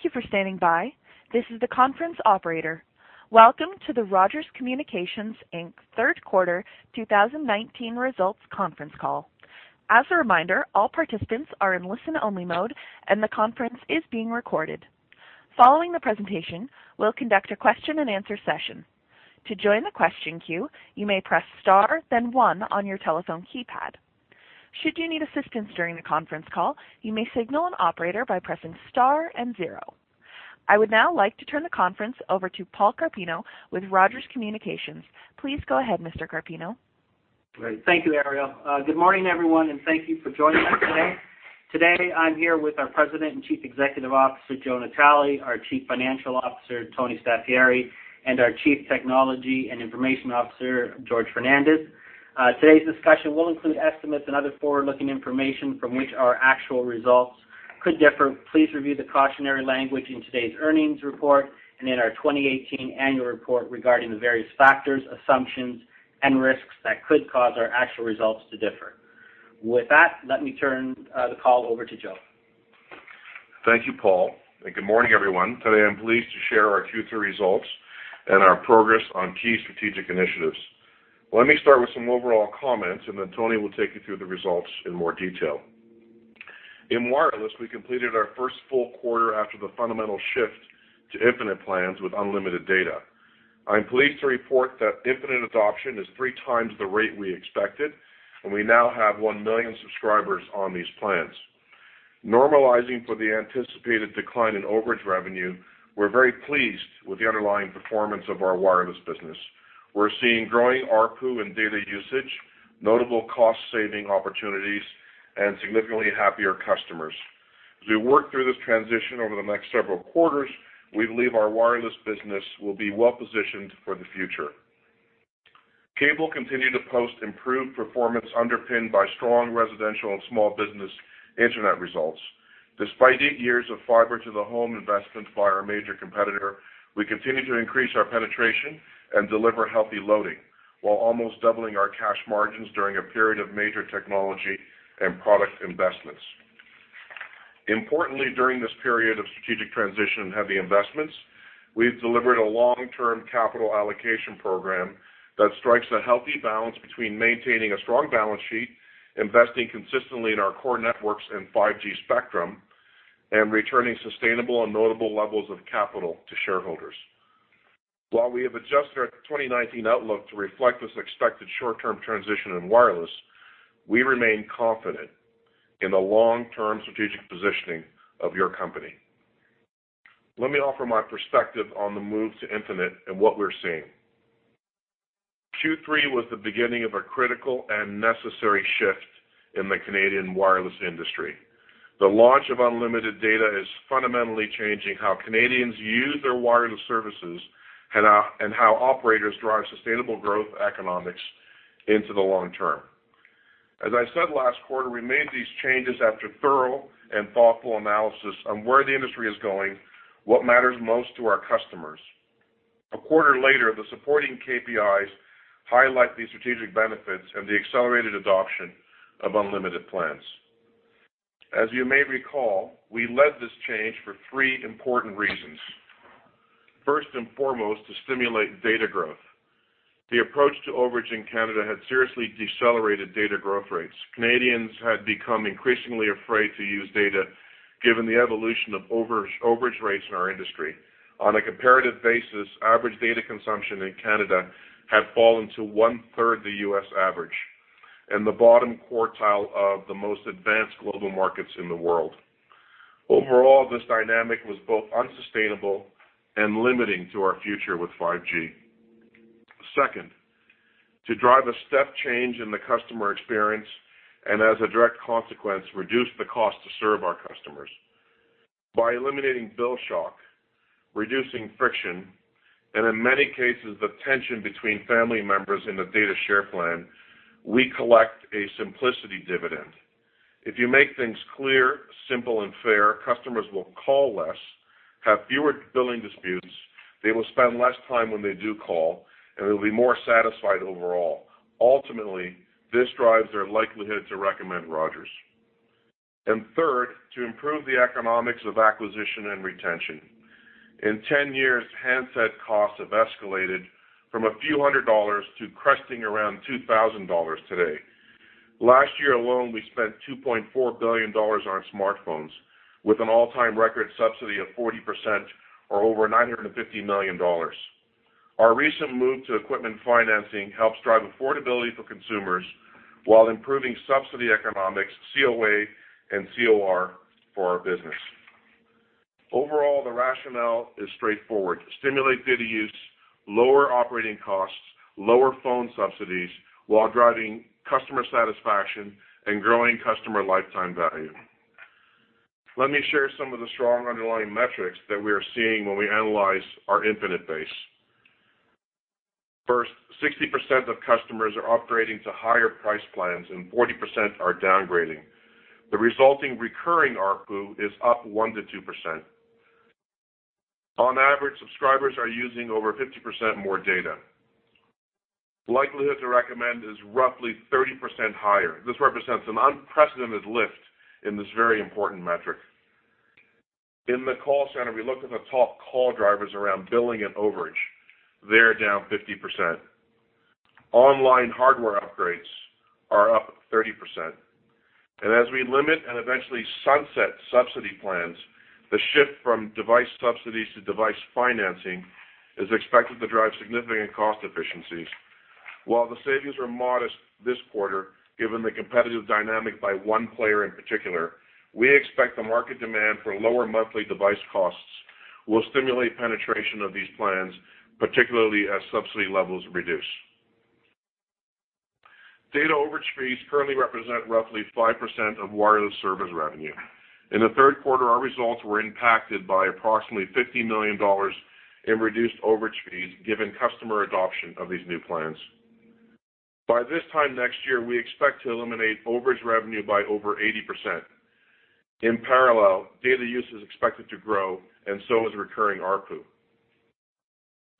Thank you for standing by. This is the conference operator. Welcome to the Rogers Communications Inc Third Quarter 2019 Results Conference Call. As a reminder, all participants are in listen-only mode, and the conference is being recorded. Following the presentation, we'll conduct a question-and-answer session. To join the question queue, you may press star, then one on your telephone keypad. Should you need assistance during the conference call, you may signal an operator by pressing star and zero. I would now like to turn the conference over to Paul Carpino with Rogers Communications. Please go ahead, Mr. Carpino. Great. Thank you, Ariel. Good morning, everyone, and thank you for joining us today. Today, I'm here with our President and Chief Executive Officer, Joe Natale, our Chief Financial Officer, Tony Staffieri, and our Chief Technology and Information Officer, Jorge Fernandes. Today's discussion will include estimates and other forward-looking information from which our actual results could differ. Please review the cautionary language in today's earnings report and in our 2018 annual report regarding the various factors, assumptions, and risks that could cause our actual results to differ. With that, let me turn the call over to Joe. Thank you, Paul. Good morning, everyone. Today, I'm pleased to share our Q3 results and our progress on key strategic initiatives. Let me start with some overall comments, and then Tony will take you through the results in more detail. In Wireless, we completed our first full quarter after the fundamental shift to Infinite plans with unlimited data. I'm pleased to report that Infinite adoption is 3 the rate we expected, and we now have one million subscribers on these plans. Normalizing for the anticipated decline in overage revenue, we're very pleased with the underlying performance of our Wireless business. We're seeing growing ARPU and data usage, notable cost-saving opportunities, and significantly happier customers. As we work through this transition over the next several quarters, we believe our Wireless business will be well-positioned for the future. Cable continued to post improved performance underpinned by strong residential and small business internet results. Despite eight years of fiber-to-the-home investment by our major competitor, we continue to increase our penetration and deliver healthy loading while almost doubling our cash margins during a period of major technology and product investments. Importantly, during this period of strategic transition and heavy investments, we've delivered a long-term capital allocation program that strikes a healthy balance between maintaining a strong balance sheet, investing consistently in our core networks and 5G spectrum, and returning sustainable and notable levels of capital to shareholders. While we have adjusted our 2019 outlook to reflect this expected short-term transition in Wireless, we remain confident in the long-term strategic positioning of your company. Let me offer my perspective on the move to Infinite and what we're seeing. Q3 was the beginning of a critical and necessary shift in the Canadian wireless industry. The launch of unlimited data is fundamentally changing how Canadians use their wireless services and how operators drive sustainable growth economics into the long term. As I said, last quarter, we made these changes after thorough and thoughtful analysis on where the industry is going, what matters most to our customers. A quarter later, the supporting KPIs highlight the strategic benefits and the accelerated adoption of unlimited plans. As you may recall, we led this change for three important reasons. First and foremost, to stimulate data growth. The approach to overage in Canada had seriously decelerated data growth rates. Canadians had become increasingly afraid to use data given the evolution of overage rates in our industry. On a comparative basis, average data consumption in Canada had fallen to one-third the U.S. average in the bottom quartile of the most advanced global markets in the world. Overall, this dynamic was both unsustainable and limiting to our future with 5G. Second, to drive a step change in the customer experience and, as a direct consequence, reduce the cost to serve our customers. By eliminating bill shock, reducing friction, and in many cases, the tension between family members in a data share plan, we collect a simplicity dividend. If you make things clear, simple, and fair, customers will call less, have fewer billing disputes, they will spend less time when they do call, and they'll be more satisfied overall. Ultimately, this drives their likelihood to recommend Rogers. And third, to improve the economics of acquisition and retention. In 10 years, handset costs have escalated from a few hundred dollars to cresting around 2,000 dollars today. Last year alone, we spent 2.4 billion dollars on smartphones with an all-time record subsidy of 40% or over 950 million dollars. Our recent move to equipment financing helps drive affordability for consumers while improving subsidy economics, COA, and COR for our business. Overall, the rationale is straightforward: stimulate data use, lower operating costs, lower phone subsidies while driving customer satisfaction and growing customer lifetime value. Let me share some of the strong underlying metrics that we are seeing when we analyze our Infinite base. First, 60% of customers are upgrading to higher price plans, and 40% are downgrading. The resulting recurring ARPU is up 1%-2%. On average, subscribers are using over 50% more data. Likelihood to recommend is roughly 30% higher. This represents an unprecedented lift in this very important metric. In the call center, we looked at the top call drivers around billing and overage. They're down 50%. Online hardware upgrades are up 30%. And as we limit and eventually sunset subsidy plans, the shift from device subsidies to device financing is expected to drive significant cost efficiencies. While the savings are modest this quarter, given the competitive dynamic by one player in particular, we expect the market demand for lower monthly device costs will stimulate penetration of these plans, particularly as subsidy levels reduce. Data overage fees currently represent roughly 5% of Wireless service revenue. In the third quarter, our results were impacted by approximately 50 million dollars in reduced overage fees given customer adoption of these new plans. By this time next year, we expect to eliminate overage revenue by over 80%. In parallel, data use is expected to grow, and so is recurring ARPU.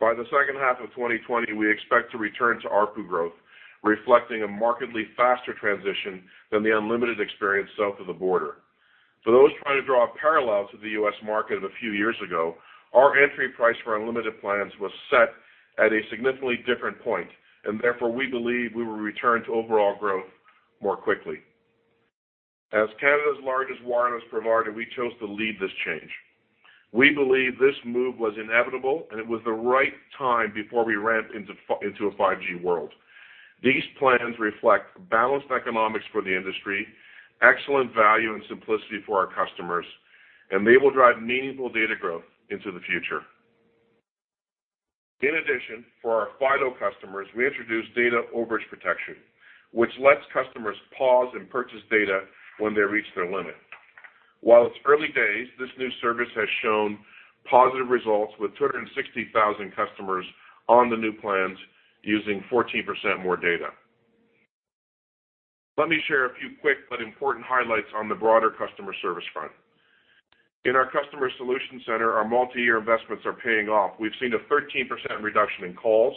By the second half of 2020, we expect to return to ARPU growth, reflecting a markedly faster transition than the unlimited experience south of the border. For those trying to draw a parallel to the U.S. market of a few years ago, our entry price for unlimited plans was set at a significantly different point, and therefore, we believe we will return to overall growth more quickly. As Canada's largest wireless provider, we chose to lead this change. We believe this move was inevitable, and it was the right time before we ramped into a 5G world. These plans reflect balanced economics for the industry, excellent value, and simplicity for our customers, and they will drive meaningful data growth into the future. In addition, for our Fido customers, we introduced Data Overage Protection, which lets customers pause and purchase data when they reach their limit. While it's early days, this new service has shown positive results with 260,000 customers on the new plans using 14% more data. Let me share a few quick but important highlights on the broader customer service front. In our Customer Solution Center, our multi-year investments are paying off. We've seen a 13% reduction in calls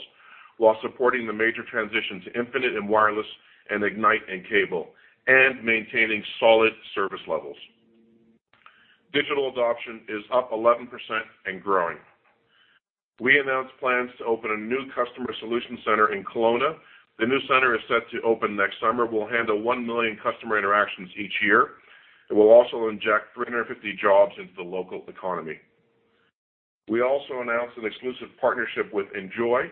while supporting the major transition to Infinite and Wireless and Ignite and Cable and maintaining solid service levels. Digital adoption is up 11% and growing. We announced plans to open a new customer solution center in Kelowna. The new center is set to open next summer. We'll handle one million customer interactions each year. It will also inject 350 jobs into the local economy. We also announced an exclusive partnership with Enjoy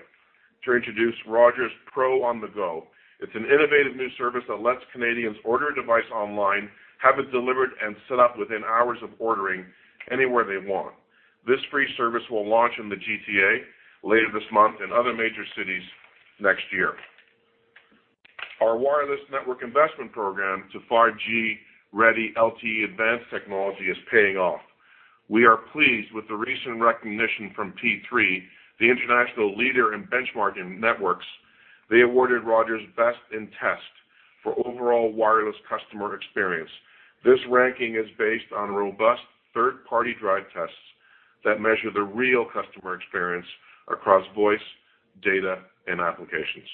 to introduce Rogers Pro On-the-Go. It's an innovative new service that lets Canadians order a device online, have it delivered, and set up within hours of ordering anywhere they want. This free service will launch in the GTA later this month and other major cities next year. Our Wireless network investment program to 5G-ready LTE Advanced technology is paying off. We are pleased with the recent recognition from P3, the international leader in benchmarking networks. They awarded Rogers Best in Test for overall wireless customer experience. This ranking is based on robust third-party drive tests that measure the real customer experience across voice, data, and applications.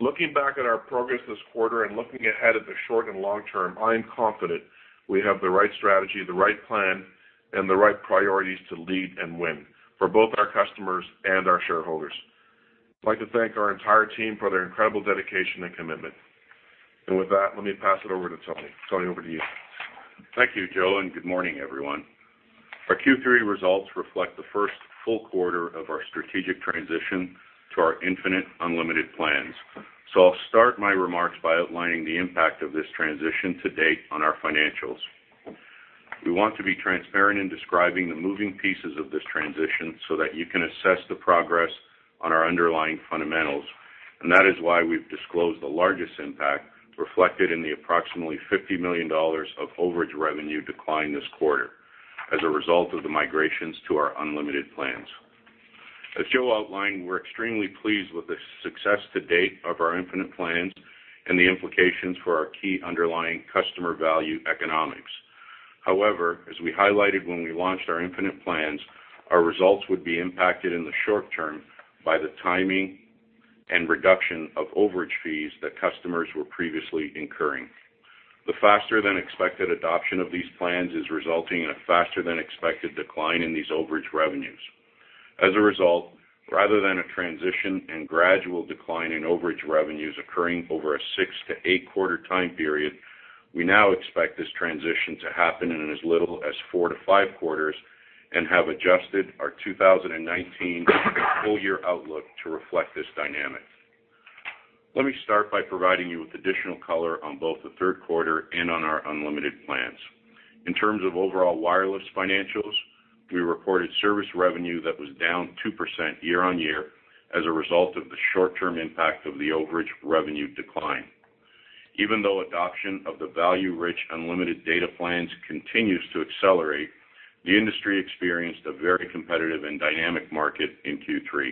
Looking back at our progress this quarter and looking ahead at the short and long term, I'm confident we have the right strategy, the right plan, and the right priorities to lead and win for both our customers and our shareholders. I'd like to thank our entire team for their incredible dedication and commitment. And with that, let me pass it over to Tony. Tony, over to you. Thank you, Joe, and good morning, everyone. Our Q3 results reflect the first full quarter of our strategic transition to our Infinite unlimited plans. So I'll start my remarks by outlining the impact of this transition to date on our financials. We want to be transparent in describing the moving pieces of this transition so that you can assess the progress on our underlying fundamentals. And that is why we've disclosed the largest impact reflected in the approximately 50 million dollars of overage revenue decline this quarter as a result of the migrations to our unlimited plans. As Joe outlined, we're extremely pleased with the success to date of our Infinite plans and the implications for our key underlying customer value economics. However, as we highlighted when we launched our Infinite plans, our results would be impacted in the short term by the timing and reduction of overage fees that customers were previously incurring. The faster-than-expected adoption of these plans is resulting in a faster-than-expected decline in these overage revenues. As a result, rather than a transition and gradual decline in overage revenues occurring over a six- to eight-quarter time period, we now expect this transition to happen in as little as four- to five quarters and have adjusted our 2019 full-year outlook to reflect this dynamic. Let me start by providing you with additional color on both the third quarter and on our unlimited plans. In terms of overall Wireless financials, we reported service revenue that was down 2% year-on-year as a result of the short-term impact of the overage revenue decline. Even though adoption of the value-rich unlimited data plans continues to accelerate, the industry experienced a very competitive and dynamic market in Q3.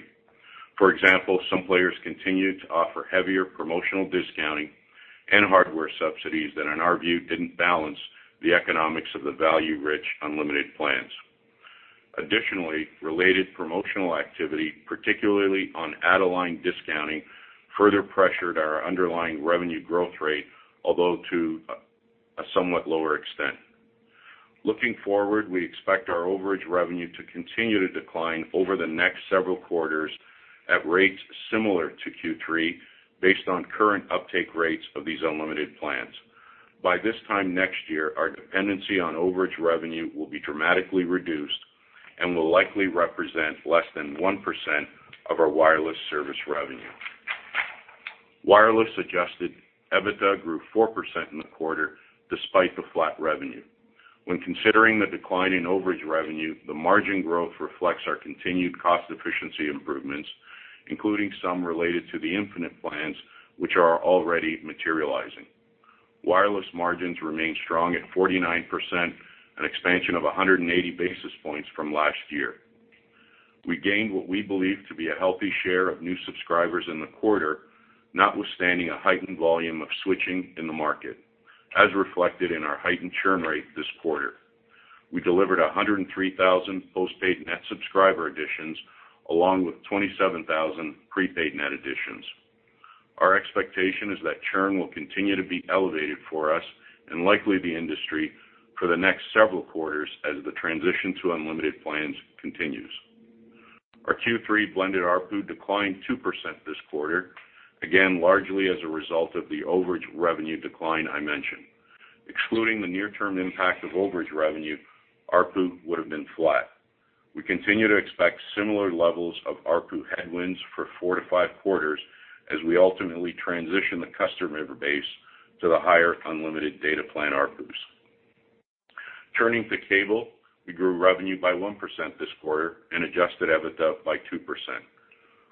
For example, some players continued to offer heavier promotional discounting and hardware subsidies that, in our view, didn't balance the economics of the value-rich unlimited plans. Additionally, related promotional activity, particularly on add-on line discounting, further pressured our underlying revenue growth rate, although to a somewhat lower extent. Looking forward, we expect our overage revenue to continue to decline over the next several quarters at rates similar to Q3 based on current uptake rates of these unlimited plans. By this time next year, our dependency on overage revenue will be dramatically reduced and will likely represent less than 1% of our Wireless service revenue. Wireless adjusted EBITDA grew 4% in the quarter despite the flat revenue. When considering the decline in overage revenue, the margin growth reflects our continued cost efficiency improvements, including some related to the Infinite plans, which are already materializing. Wireless margins remain strong at 49%, an expansion of 180 basis points from last year. We gained what we believe to be a healthy share of new subscribers in the quarter, notwithstanding a heightened volume of switching in the market, as reflected in our heightened churn rate this quarter. We delivered 103,000 postpaid net subscriber additions along with 27,000 prepaid net additions. Our expectation is that churn will continue to be elevated for us and likely the industry for the next several quarters as the transition to unlimited plans continues. Our Q3 blended ARPU declined 2% this quarter, again largely as a result of the overage revenue decline I mentioned. Excluding the near-term impact of overage revenue, ARPU would have been flat. We continue to expect similar levels of ARPU headwinds for four to five quarters as we ultimately transition the customer base to the higher unlimited data plan ARPUs. Turning to Cable, we grew revenue by 1% this quarter and adjusted EBITDA by 2%.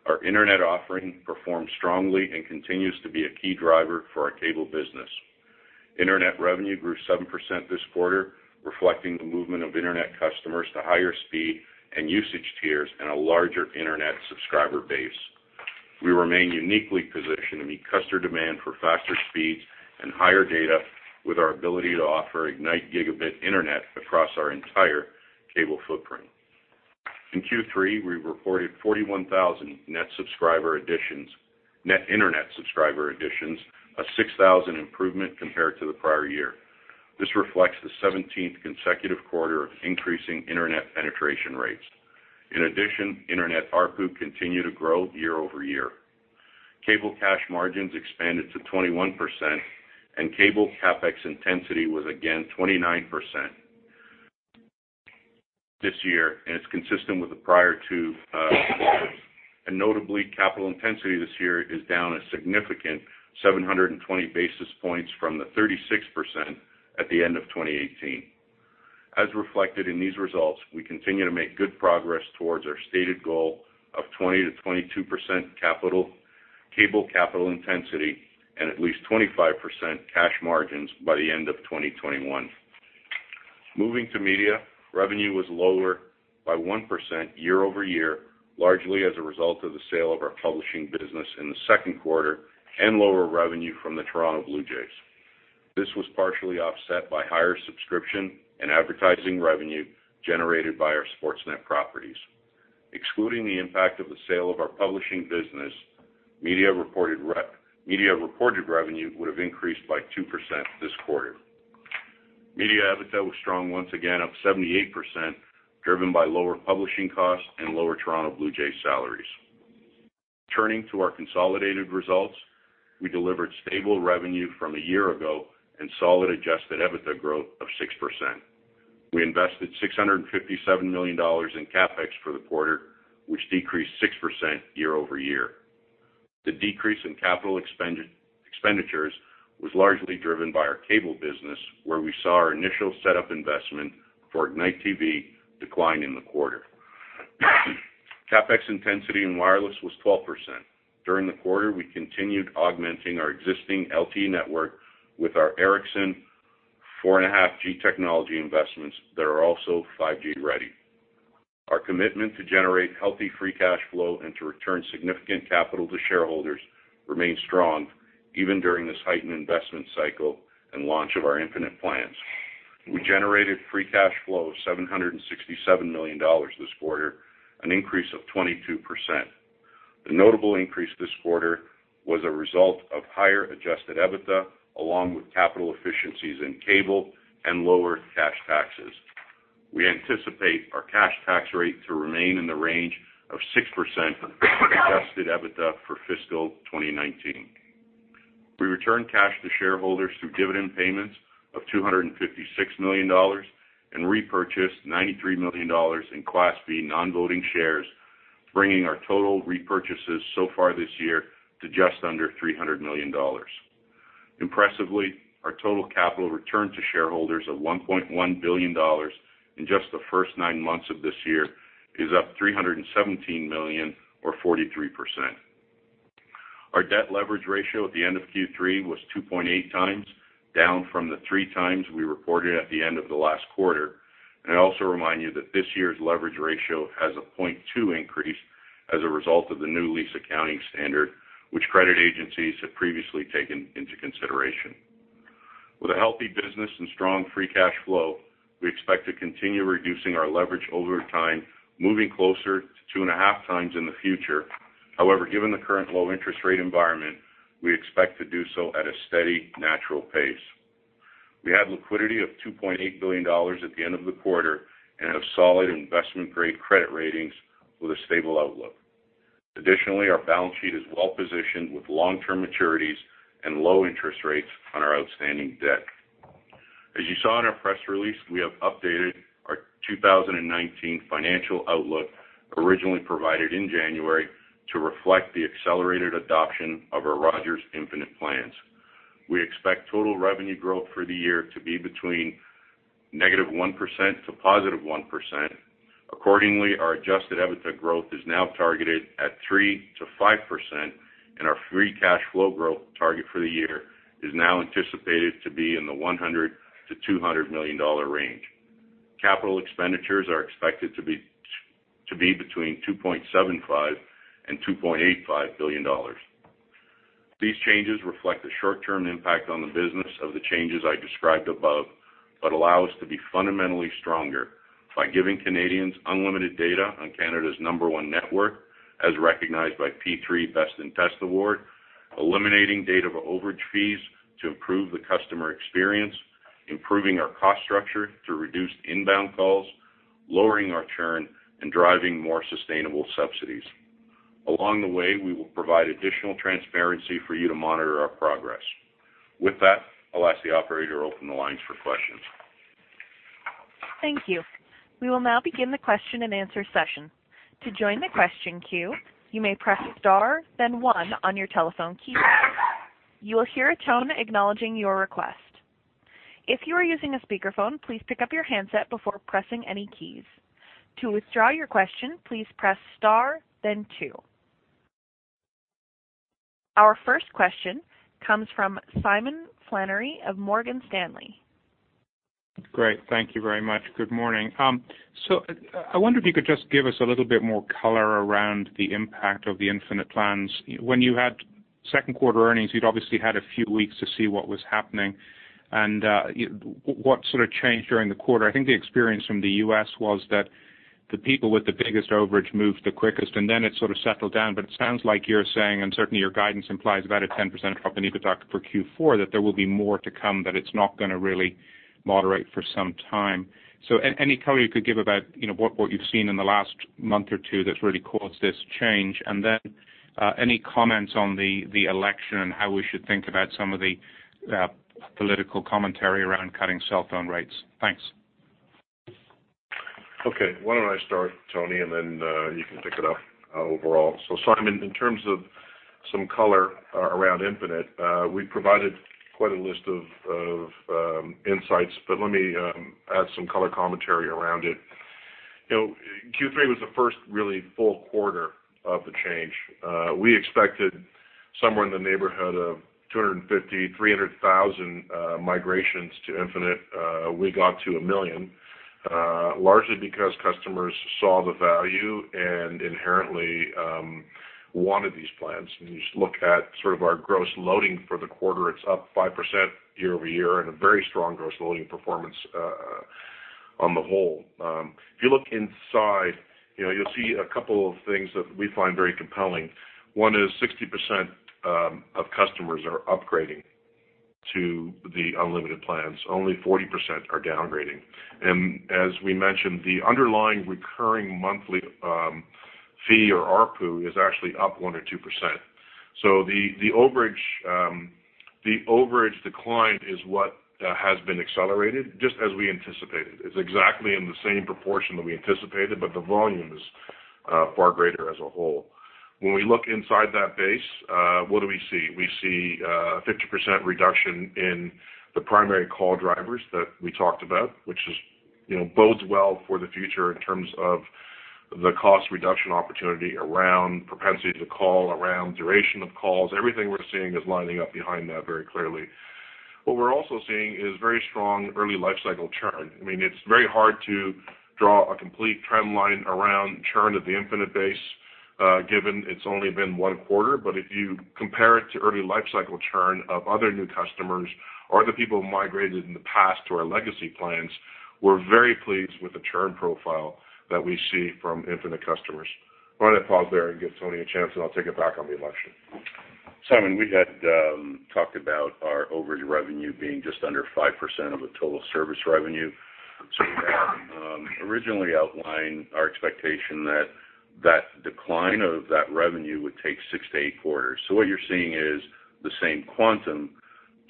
Our internet offering performed strongly and continues to be a key driver for our Cable business. Internet revenue grew 7% this quarter, reflecting the movement of internet customers to higher speed and usage tiers and a larger internet subscriber base. We remain uniquely positioned to meet customer demand for faster speeds and higher data with our ability to offer Ignite Gigabit Internet across our entire Cable footprint. In Q3, we reported 41,000 net internet subscriber additions, a 6,000 improvement compared to the prior year. This reflects the 17th consecutive quarter of increasing internet penetration rates. In addition, internet ARPU continued to grow year over year. Cable cash margins expanded to 21%, and Cable CapEx intensity was again 29% this year, and it's consistent with the prior two quarters. Notably, capital intensity this year is down a significant 720 basis points from the 36% at the end of 2018. As reflected in these results, we continue to make good progress towards our stated goal of 20%-22% Cable capital intensity and at least 25% cash margins by the end of 2021. Moving to Media, revenue was lower by 1% year over year, largely as a result of the sale of our Publishing business in the second quarter and lower revenue from the Toronto Blue Jays. This was partially offset by higher subscription and advertising revenue generated by our Sportsnet properties. Excluding the impact of the sale of our Publishing business, Media reported revenue would have increased by 2% this quarter. Media EBITDA was strong once again of 78%, driven by lower publishing costs and lower Toronto Blue Jays salaries. Turning to our consolidated results, we delivered stable revenue from a year ago and solid adjusted EBITDA growth of 6%. We invested 657 million dollars in CapEx for the quarter, which decreased 6% year over year. The decrease in capital expenditures was largely driven by our Cable business, where we saw our initial setup investment for Ignite TV decline in the quarter. CapEx intensity in Wireless was 12%. During the quarter, we continued augmenting our existing LTE network with our Ericsson 4.5G technology investments that are also 5G-ready. Our commitment to generate healthy free cash flow and to return significant capital to shareholders remained strong even during this heightened investment cycle and launch of our Infinite plans. We generated free cash flow of 767 million dollars this quarter, an increase of 22%. The notable increase this quarter was a result of higher adjusted EBITDA along with capital efficiencies in Cable and lower cash taxes. We anticipate our cash tax rate to remain in the range of 6% adjusted EBITDA for fiscal 2019. We returned cash to shareholders through dividend payments of 256 million dollars and repurchased 93 million dollars in Class B non-voting shares, bringing our total repurchases so far this year to just under 300 million dollars. Impressively, our total capital returned to shareholders of 1.1 billion dollars in just the first nine months of this year is up 317 million, or 43%. Our debt leverage ratio at the end of Q3 was 2.8x, down from the 3x we reported at the end of the last quarter. I also remind you that this year's leverage ratio has a 0.2 increase as a result of the new lease accounting standard, which credit agencies have previously taken into consideration. With a healthy business and strong free cash flow, we expect to continue reducing our leverage over time, moving closer to 2.5x in the future. However, given the current low interest rate environment, we expect to do so at a steady, natural pace. We had liquidity of 2.8 billion dollars at the end of the quarter and have solid investment-grade credit ratings with a stable outlook. Additionally, our balance sheet is well-positioned with long-term maturities and low interest rates on our outstanding debt. As you saw in our press release, we have updated our 2019 financial outlook, originally provided in January, to reflect the accelerated adoption of our Rogers Infinite plans. We expect total revenue growth for the year to be between -1% to +1%. Accordingly, our adjusted EBITDA growth is now targeted at 3%-5%, and our free cash flow growth target for the year is now anticipated to be in the $100 million-$200 million range. Capital expenditures are expected to be between $2.75 billion-$2.85 billion. These changes reflect the short-term impact on the business of the changes I described above, but allow us to be fundamentally stronger by giving Canadians unlimited data on Canada's number one network, as recognized by P3 Best in Test Award, eliminating data for overage fees to improve the customer experience, improving our cost structure to reduce inbound calls, lowering our churn, and driving more sustainable subsidies. Along the way, we will provide additional transparency for you to monitor our progress. With that, I'll ask the operator to open the lines for questions. Thank you. We will now begin the question and answer session. To join the question queue, you may press star, then one on your telephone keyboard. You will hear a tone acknowledging your request. If you are using a speakerphone, please pick up your handset before pressing any keys. To withdraw your question, please press star, then two. Our first question comes from Simon Flannery of Morgan Stanley. Great. Thank you very much. Good morning. So I wonder if you could just give us a little bit more color around the impact of the Infinite plans. When you had second quarter earnings, you'd obviously had a few weeks to see what was happening. And what sort of changed during the quarter? I think the experience from the U.S. was that the people with the biggest overage moved the quickest, and then it sort of settled down. But it sounds like you're saying, and certainly your guidance implies about a 10% drop in EBITDA for Q4, that there will be more to come, that it's not going to really moderate for some time. So any color you could give about what you've seen in the last month or two that's really caused this change? And then any comments on the election and how we should think about some of the political commentary around cutting cell phone rates? Thanks. Okay. Why don't I start, Tony, and then you can pick it up overall. So, Simon, in terms of some color around Infinite, we provided quite a list of insights, but let me add some color commentary around it. Q3 was the first really full quarter of the change. We expected somewhere in the neighborhood of 250,000-300,000 migrations to Infinite. We got to a million, largely because customers saw the value and inherently wanted these plans and you just look at sort of our gross loading for the quarter. It's up 5% year over year and a very strong gross loading performance on the whole. If you look inside, you'll see a couple of things that we find very compelling. One is 60% of customers are upgrading to the unlimited plans. Only 40% are downgrading. And as we mentioned, the underlying recurring monthly fee or ARPU is actually up 1% or 2%. So the overage decline is what has been accelerated, just as we anticipated. It's exactly in the same proportion that we anticipated, but the volume is far greater as a whole. When we look inside that base, what do we see? We see a 50% reduction in the primary call drivers that we talked about, which bodes well for the future in terms of the cost reduction opportunity around propensity to call, around duration of calls. Everything we're seeing is lining up behind that very clearly. What we're also seeing is very strong early life cycle churn. I mean, it's very hard to draw a complete trend line around churn of the Infinite base, given it's only been one quarter. But if you compare it to early life cycle churn of other new customers or the people who migrated in the past to our legacy plans, we're very pleased with the churn profile that we see from Infinite customers. Why don't I pause there and give Tony a chance, and I'll take it back on the question. Simon, we had talked about our overage revenue being just under 5% of the total service revenue. So we had originally outlined our expectation that that decline of that revenue would take six to eight quarters. So what you're seeing is the same quantum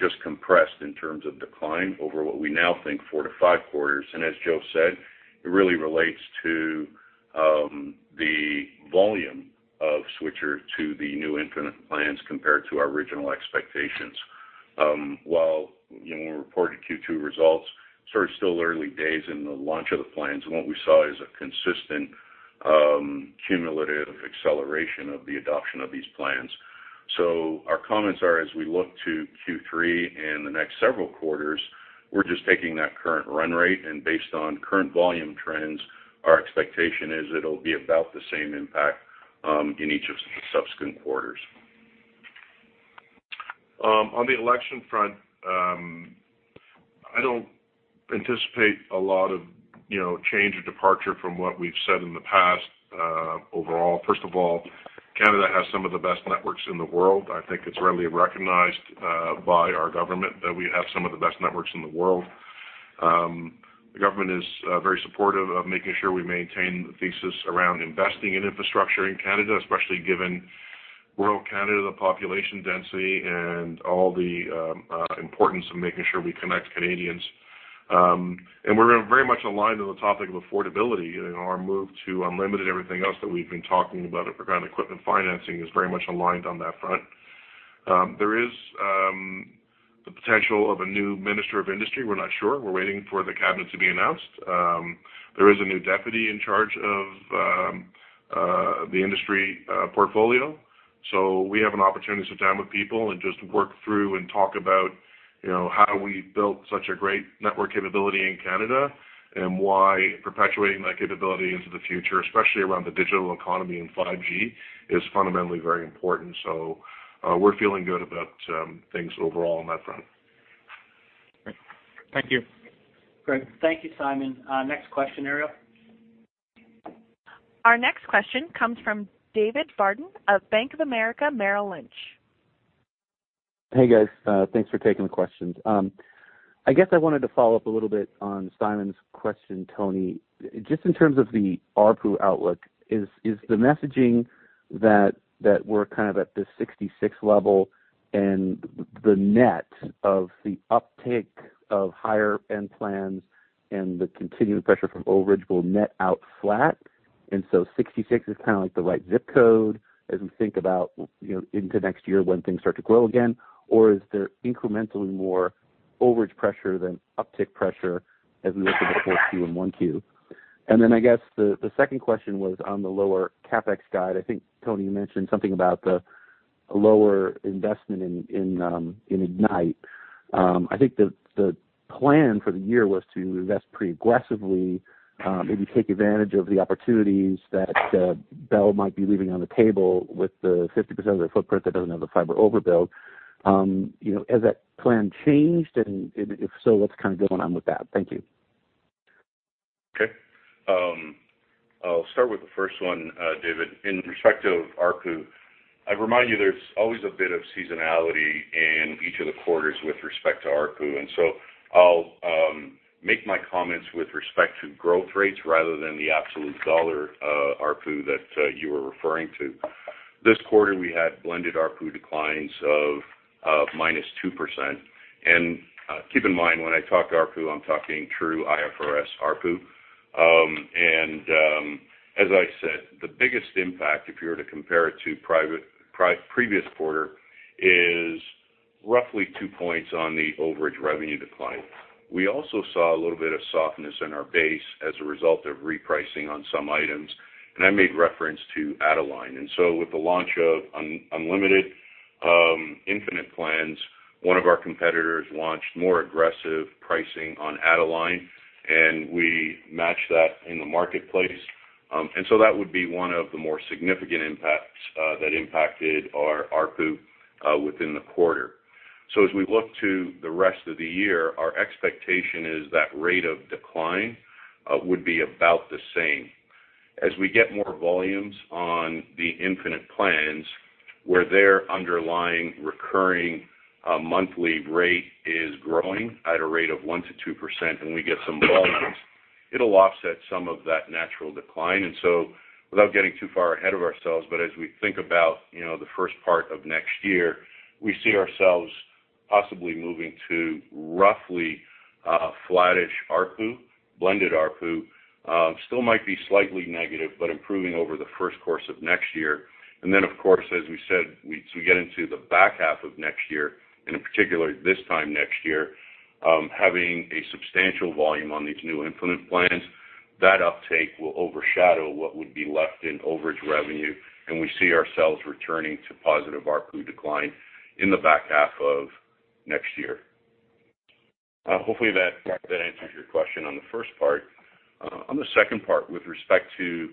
just compressed in terms of decline over what we now think four to five quarters. And as Joe said, it really relates to the volume of switchers to the new Infinite plans compared to our original expectations. While when we reported Q2 results, sort of still early days in the launch of the plans, and what we saw is a consistent cumulative acceleration of the adoption of these plans. So our comments are as we look to Q3 and the next several quarters, we're just taking that current run rate. Based on current volume trends, our expectation is it'll be about the same impact in each of the subsequent quarters. On the election front, I don't anticipate a lot of change or departure from what we've said in the past overall. First of all, Canada has some of the best networks in the world. I think it's readily recognized by our government that we have some of the best networks in the world. The government is very supportive of making sure we maintain the thesis around investing in infrastructure in Canada, especially given rural Canada, the population density, and all the importance of making sure we connect Canadians. And we're very much aligned on the topic of affordability. Our move to unlimited everything else that we've been talking about regarding equipment financing is very much aligned on that front. There is the potential of a new Minister of Industry. We're not sure. We're waiting for the cabinet to be announced. There is a new deputy in charge of the industry portfolio. So we have an opportunity to sit down with people and just work through and talk about how we built such a great network capability in Canada and why perpetuating that capability into the future, especially around the digital economy and 5G, is fundamentally very important. So we're feeling good about things overall on that front. Thank you. Great. Thank you, Simon. Next question, Ariel. Our next question comes from David Barden of Bank of America Merrill Lynch. Hey, guys. Thanks for taking the questions. I guess I wanted to follow up a little bit on Simon's question, Tony. Just in terms of the ARPU outlook, is the messaging that we're kind of at the 66 level and the net of the uptake of higher-end plans and the continuing pressure from overage will net out flat? And so 66 is kind of like the right zip code as we think about into next year when things start to grow again, or is there incrementally more overage pressure than uptake pressure as we look at the fourth Q and one Q? And then I guess the second question was on the lower CapEx guide. I think, Tony, you mentioned something about the lower investment in Ignite. I think the plan for the year was to invest pretty aggressively, maybe take advantage of the opportunities that Bell might be leaving on the table with the 50% of their footprint that doesn't have the fiber overbuild. Has that plan changed? And if so, what's kind of going on with that? Thank you. Okay. I'll start with the first one, David. In respect to ARPU, I remind you there's always a bit of seasonality in each of the quarters with respect to ARPU. And so I'll make my comments with respect to growth rates rather than the absolute dollar ARPU that you were referring to. This quarter, we had blended ARPU declines of -2%. And keep in mind, when I talk ARPU, I'm talking true IFRS ARPU. And as I said, the biggest impact, if you were to compare it to previous quarter, is roughly two points on the overage revenue decline. We also saw a little bit of softness in our base as a result of repricing on some items. And I made reference to add-on-line. And so with the launch of unlimited Infinite plans, one of our competitors launched more aggressive pricing on a line, and we matched that in the marketplace. And so that would be one of the more significant impacts that impacted our ARPU within the quarter. So as we look to the rest of the year, our expectation is that rate of decline would be about the same. As we get more volumes on the Infinite plans, where their underlying recurring monthly rate is growing at a rate of 1%-2%, and we get some volumes, it will offset some of that natural decline. And so without getting too far ahead of ourselves, but as we think about the first part of next year, we see ourselves possibly moving to roughly flattish ARPU, blended ARPU, still might be slightly negative, but improving over the first quarter of next year. And then, of course, as we said, as we get into the back half of next year, and in particular this time next year, having a substantial volume on these new Infinite plans, that uptake will overshadow what would be left in overage revenue. And we see ourselves returning to positive ARPU decline in the back half of next year. Hopefully, that answers your question on the first part. On the second part, with respect to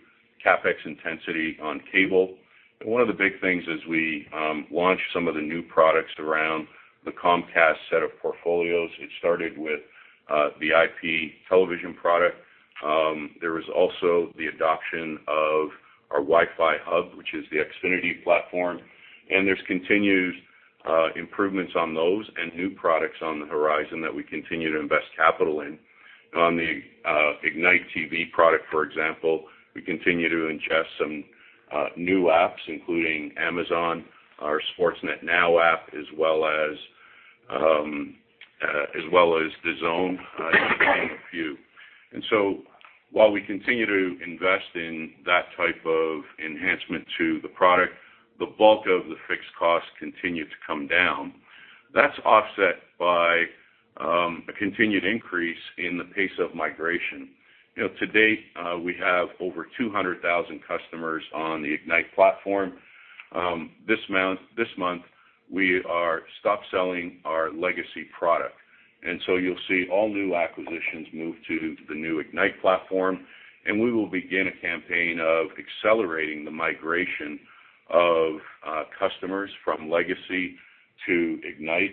CapEx intensity on Cable, one of the big things as we launch some of the new products around the Comcast set of portfolios, it started with the IP television product. There was also the adoption of our Wi-Fi hub, which is the Xfinity platform. And there's continued improvements on those and new products on the horizon that we continue to invest capital in. On the Ignite TV product, for example, we continue to ingest some new apps, including Amazon, our Sportsnet NOW app, as well as DAZN, to name a few, and so while we continue to invest in that type of enhancement to the product, the bulk of the fixed costs continue to come down. That's offset by a continued increase in the pace of migration. To date, we have over 200,000 customers on the Ignite platform. This month, we are stop selling our legacy product, and so you'll see all new acquisitions move to the new Ignite platform, and we will begin a campaign of accelerating the migration of customers from legacy to Ignite,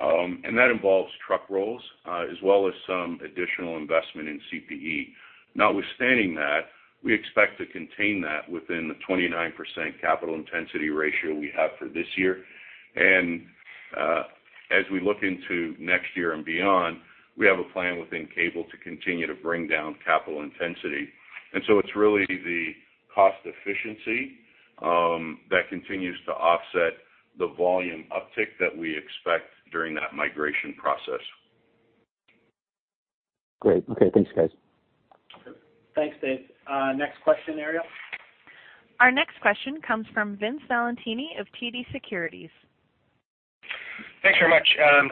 and that involves truck rolls as well as some additional investment in CPE. Notwithstanding that, we expect to contain that within the 29% capital intensity ratio we have for this year. As we look into next year and beyond, we have a plan within Cable to continue to bring down capital intensity. So it's really the cost efficiency that continues to offset the volume uptake that we expect during that migration process. Great. Okay. Thanks, guys. Thanks, Dave. Next question, Ariel. Our next question comes from Vince Valentini of TD Securities. Thanks very much.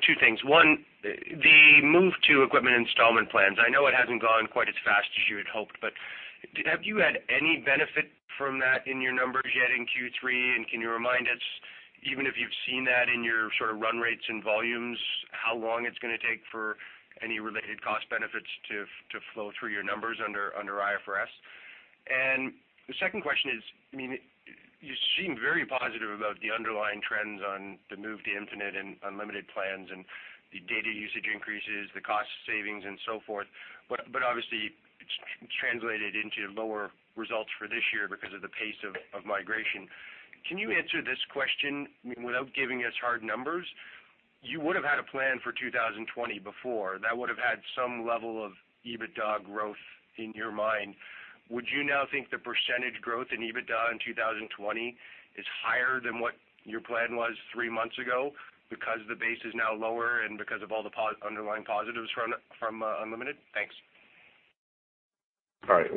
Two things. One, the move to equipment installment plans. I know it hasn't gone quite as fast as you had hoped, but have you had any benefit from that in your numbers yet in Q3? And can you remind us, even if you've seen that in your sort of run rates and volumes, how long it's going to take for any related cost benefits to flow through your numbers under IFRS? And the second question is, I mean, you seem very positive about the underlying trends on the move to Infinite and unlimited plans and the data usage increases, the cost savings, and so forth. But obviously, it's translated into lower results for this year because of the pace of migration. Can you answer this question without giving us hard numbers? You would have had a plan for 2020 before. That would have had some level of EBITDA growth in your mind. Would you now think the percentage growth in EBITDA in 2020 is higher than what your plan was three months ago because the base is now lower and because of all the underlying positives from unlimited? Thanks. All right.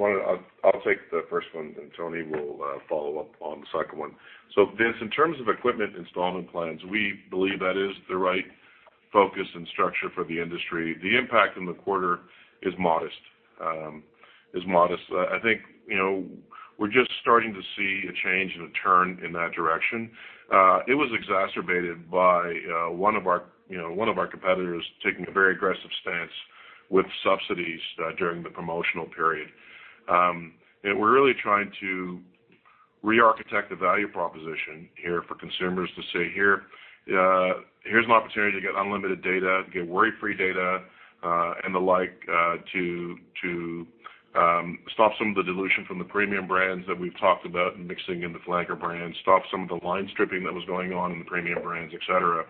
I'll take the first one, and Tony will follow up on the second one. So Vince, in terms of equipment installment plans, we believe that is the right focus and structure for the industry. The impact in the quarter is modest. I think we're just starting to see a change and a turn in that direction. It was exacerbated by one of our competitors taking a very aggressive stance with subsidies during the promotional period. And we're really trying to re-architect the value proposition here for consumers to say, "Here's an opportunity to get unlimited data, get worry-free data," and the like to stop some of the dilution from the premium brands that we've talked about and mixing in the flanker brands, stop some of the line stripping that was going on in the premium brands, et cetera.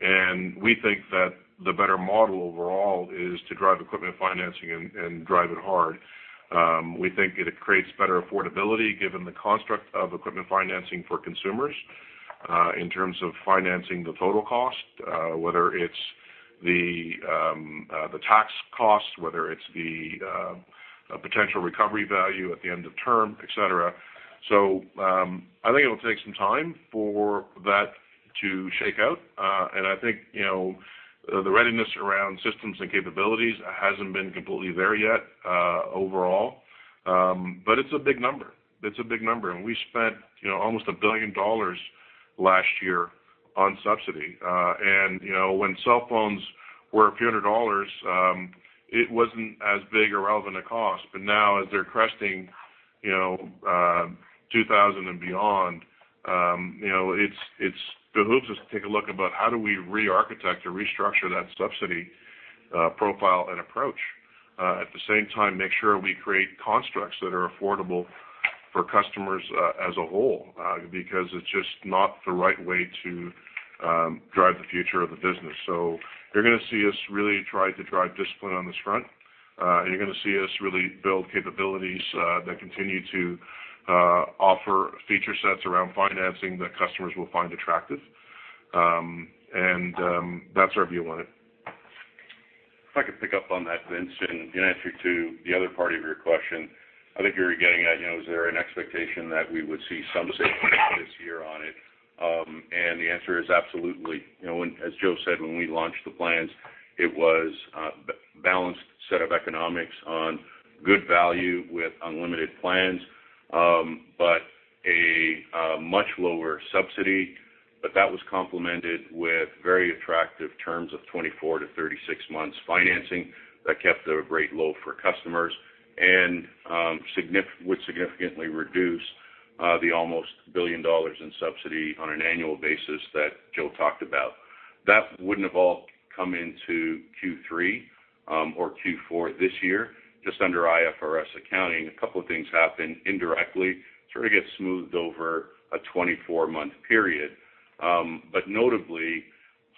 And we think that the better model overall is to drive equipment financing and drive it hard. We think it creates better affordability given the construct of equipment financing for consumers in terms of financing the total cost, whether it's the tax cost, whether it's the potential recovery value at the end of term, et cetera. So I think it'll take some time for that to shake out. And I think the readiness around systems and capabilities hasn't been completely there yet overall. But it's a big number. It's a big number. And we spent almost 1 billion dollars last year on subsidy. And when cell phones were a few hundred dollars, it wasn't as big or relevant a cost. But now, as they're cresting 2,000 and beyond, it's behooves us to take a look about how do we re-architect or restructure that subsidy profile and approach. At the same time, make sure we create constructs that are affordable for customers as a whole because it's just not the right way to drive the future of the business. So you're going to see us really try to drive discipline on this front. You're going to see us really build capabilities that continue to offer feature sets around financing that customers will find attractive. And that's our view on it. If I could pick up on that, Vince, and answer to the other part of your question, I think you're getting at is there an expectation that we would see some savings this year on it? And the answer is absolutely. As Joe said, when we launched the plans, it was a balanced set of economics on good value with unlimited plans, but a much lower subsidy. But that was complemented with very attractive terms of 24-36 months financing that kept the rate low for customers and would significantly reduce the almost $1 billion in subsidy on an annual basis that Joe talked about. That wouldn't have all come into Q3 or Q4 this year. Just under IFRS accounting, a couple of things happened indirectly. It sort of gets smoothed over a 24-month period. But notably,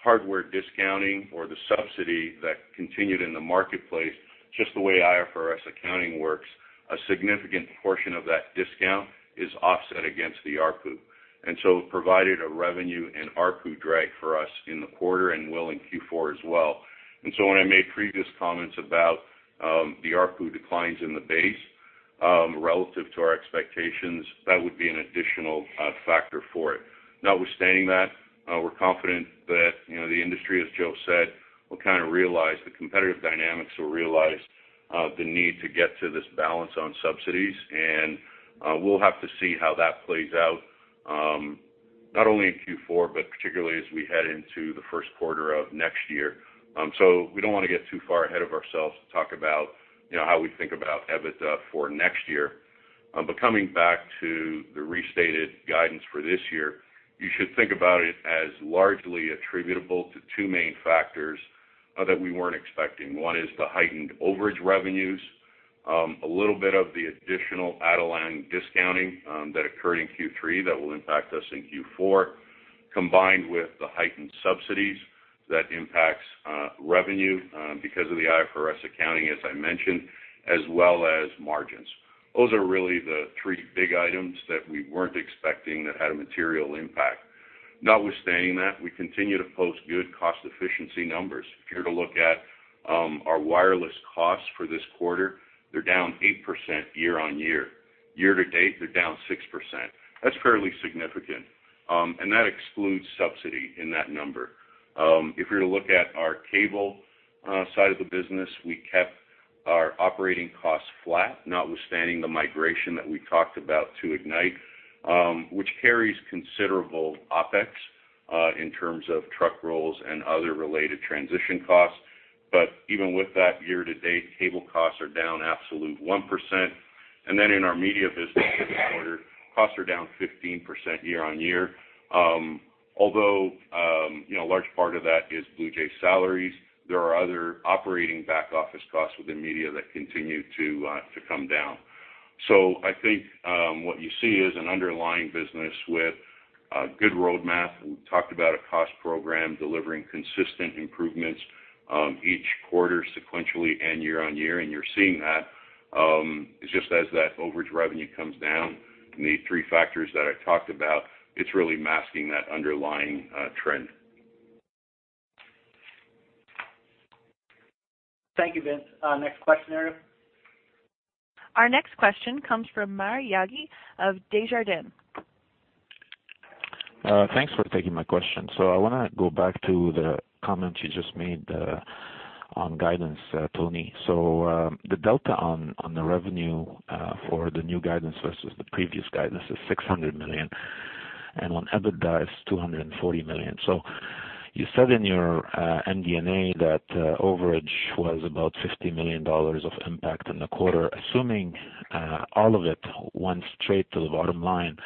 hardware discounting or the subsidy that continued in the marketplace, just the way IFRS accounting works, a significant portion of that discount is offset against the ARPU. And so it provided a revenue and ARPU drag for us in the quarter and will in Q4 as well. And so when I made previous comments about the ARPU declines in the base relative to our expectations, that would be an additional factor for it. Notwithstanding that, we're confident that the industry, as Joe said, will kind of realize the competitive dynamics, will realize the need to get to this balance on subsidies. And we'll have to see how that plays out not only in Q4, but particularly as we head into the first quarter of next year. So we don't want to get too far ahead of ourselves to talk about how we think about EBITDA for next year. But coming back to the restated guidance for this year, you should think about it as largely attributable to two main factors that we weren't expecting. One is the heightened overage revenues, a little bit of the additional add line discounting that occurred in Q3 that will impact us in Q4, combined with the heightened subsidies that impacts revenue because of the IFRS accounting, as I mentioned, as well as margins. Those are really the three big items that we weren't expecting that had a material impact. Notwithstanding that, we continue to post good cost efficiency numbers. If you were to look at our Wireless costs for this quarter, they're down 8% year on year. Year to date, they're down 6%. That's fairly significant. And that excludes subsidy in that number. If you were to look at our Cable side of the business, we kept our operating costs flat, notwithstanding the migration that we talked about to Ignite, which carries considerable OpEx in terms of truck rolls and other related transition costs. But even with that, year to date, Cable costs are down absolute 1%. And then in our media business, the quarter, costs are down 15% year on year. Although a large part of that is Blue Jays salaries, there are other operating back office costs within media that continue to come down. So I think what you see is an underlying business with good roadmap. We talked about a cost program delivering consistent improvements each quarter sequentially and year on year. And you're seeing that just as that overage revenue comes down. The three factors that I talked about, it's really masking that underlying trend. Thank you, Vince. Next question, Ariel. Our next question comes from Maher Yaghi of Desjardins. Thanks for taking my question. So I want to go back to the comment you just made on guidance, Tony. So the delta on the revenue for the new guidance versus the previous guidance is 600 million. And on EBITDA, it's 240 million. So you said in your MD&A that overage was about 50 million dollars of impact in the quarter, assuming all of it went straight to the bottom line.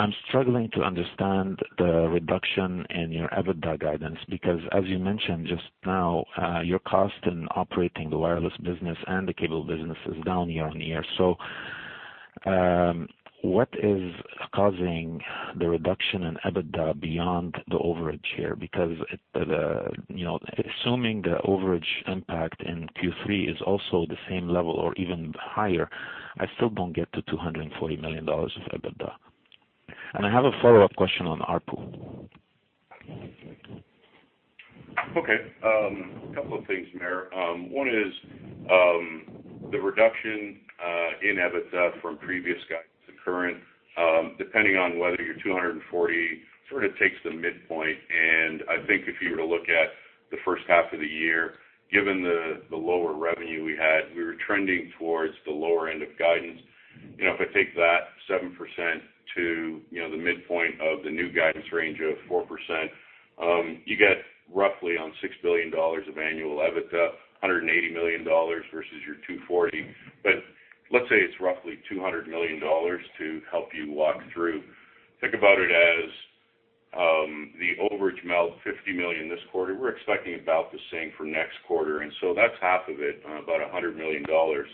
I'm struggling to understand the reduction in your EBITDA guidance because, as you mentioned just now, your cost in operating the Wireless business and the Cable business is down year on year. So what is causing the reduction in EBITDA beyond the overage here? Because assuming the overage impact in Q3 is also the same level or even higher, I still don't get to 240 million dollars of EBITDA. And I have a follow-up question on ARPU. Okay. A couple of things, Maher. One is the reduction in EBITDA from previous guidance to current, depending on whether your 240 million sort of takes the midpoint. And I think if you were to look at the first half of the year, given the lower revenue we had, we were trending towards the lower end of guidance. If I take that 7% to the midpoint of the new guidance range of 4%, you get roughly 6 billion dollars of annual EBITDA, 180 million dollars versus your 240 million. But let's say it's roughly 200 million dollars to help you walk through. Think about it as the overage amount of 50 million this quarter. We're expecting about the same for next quarter. And so that's half of it, about 100 million dollars.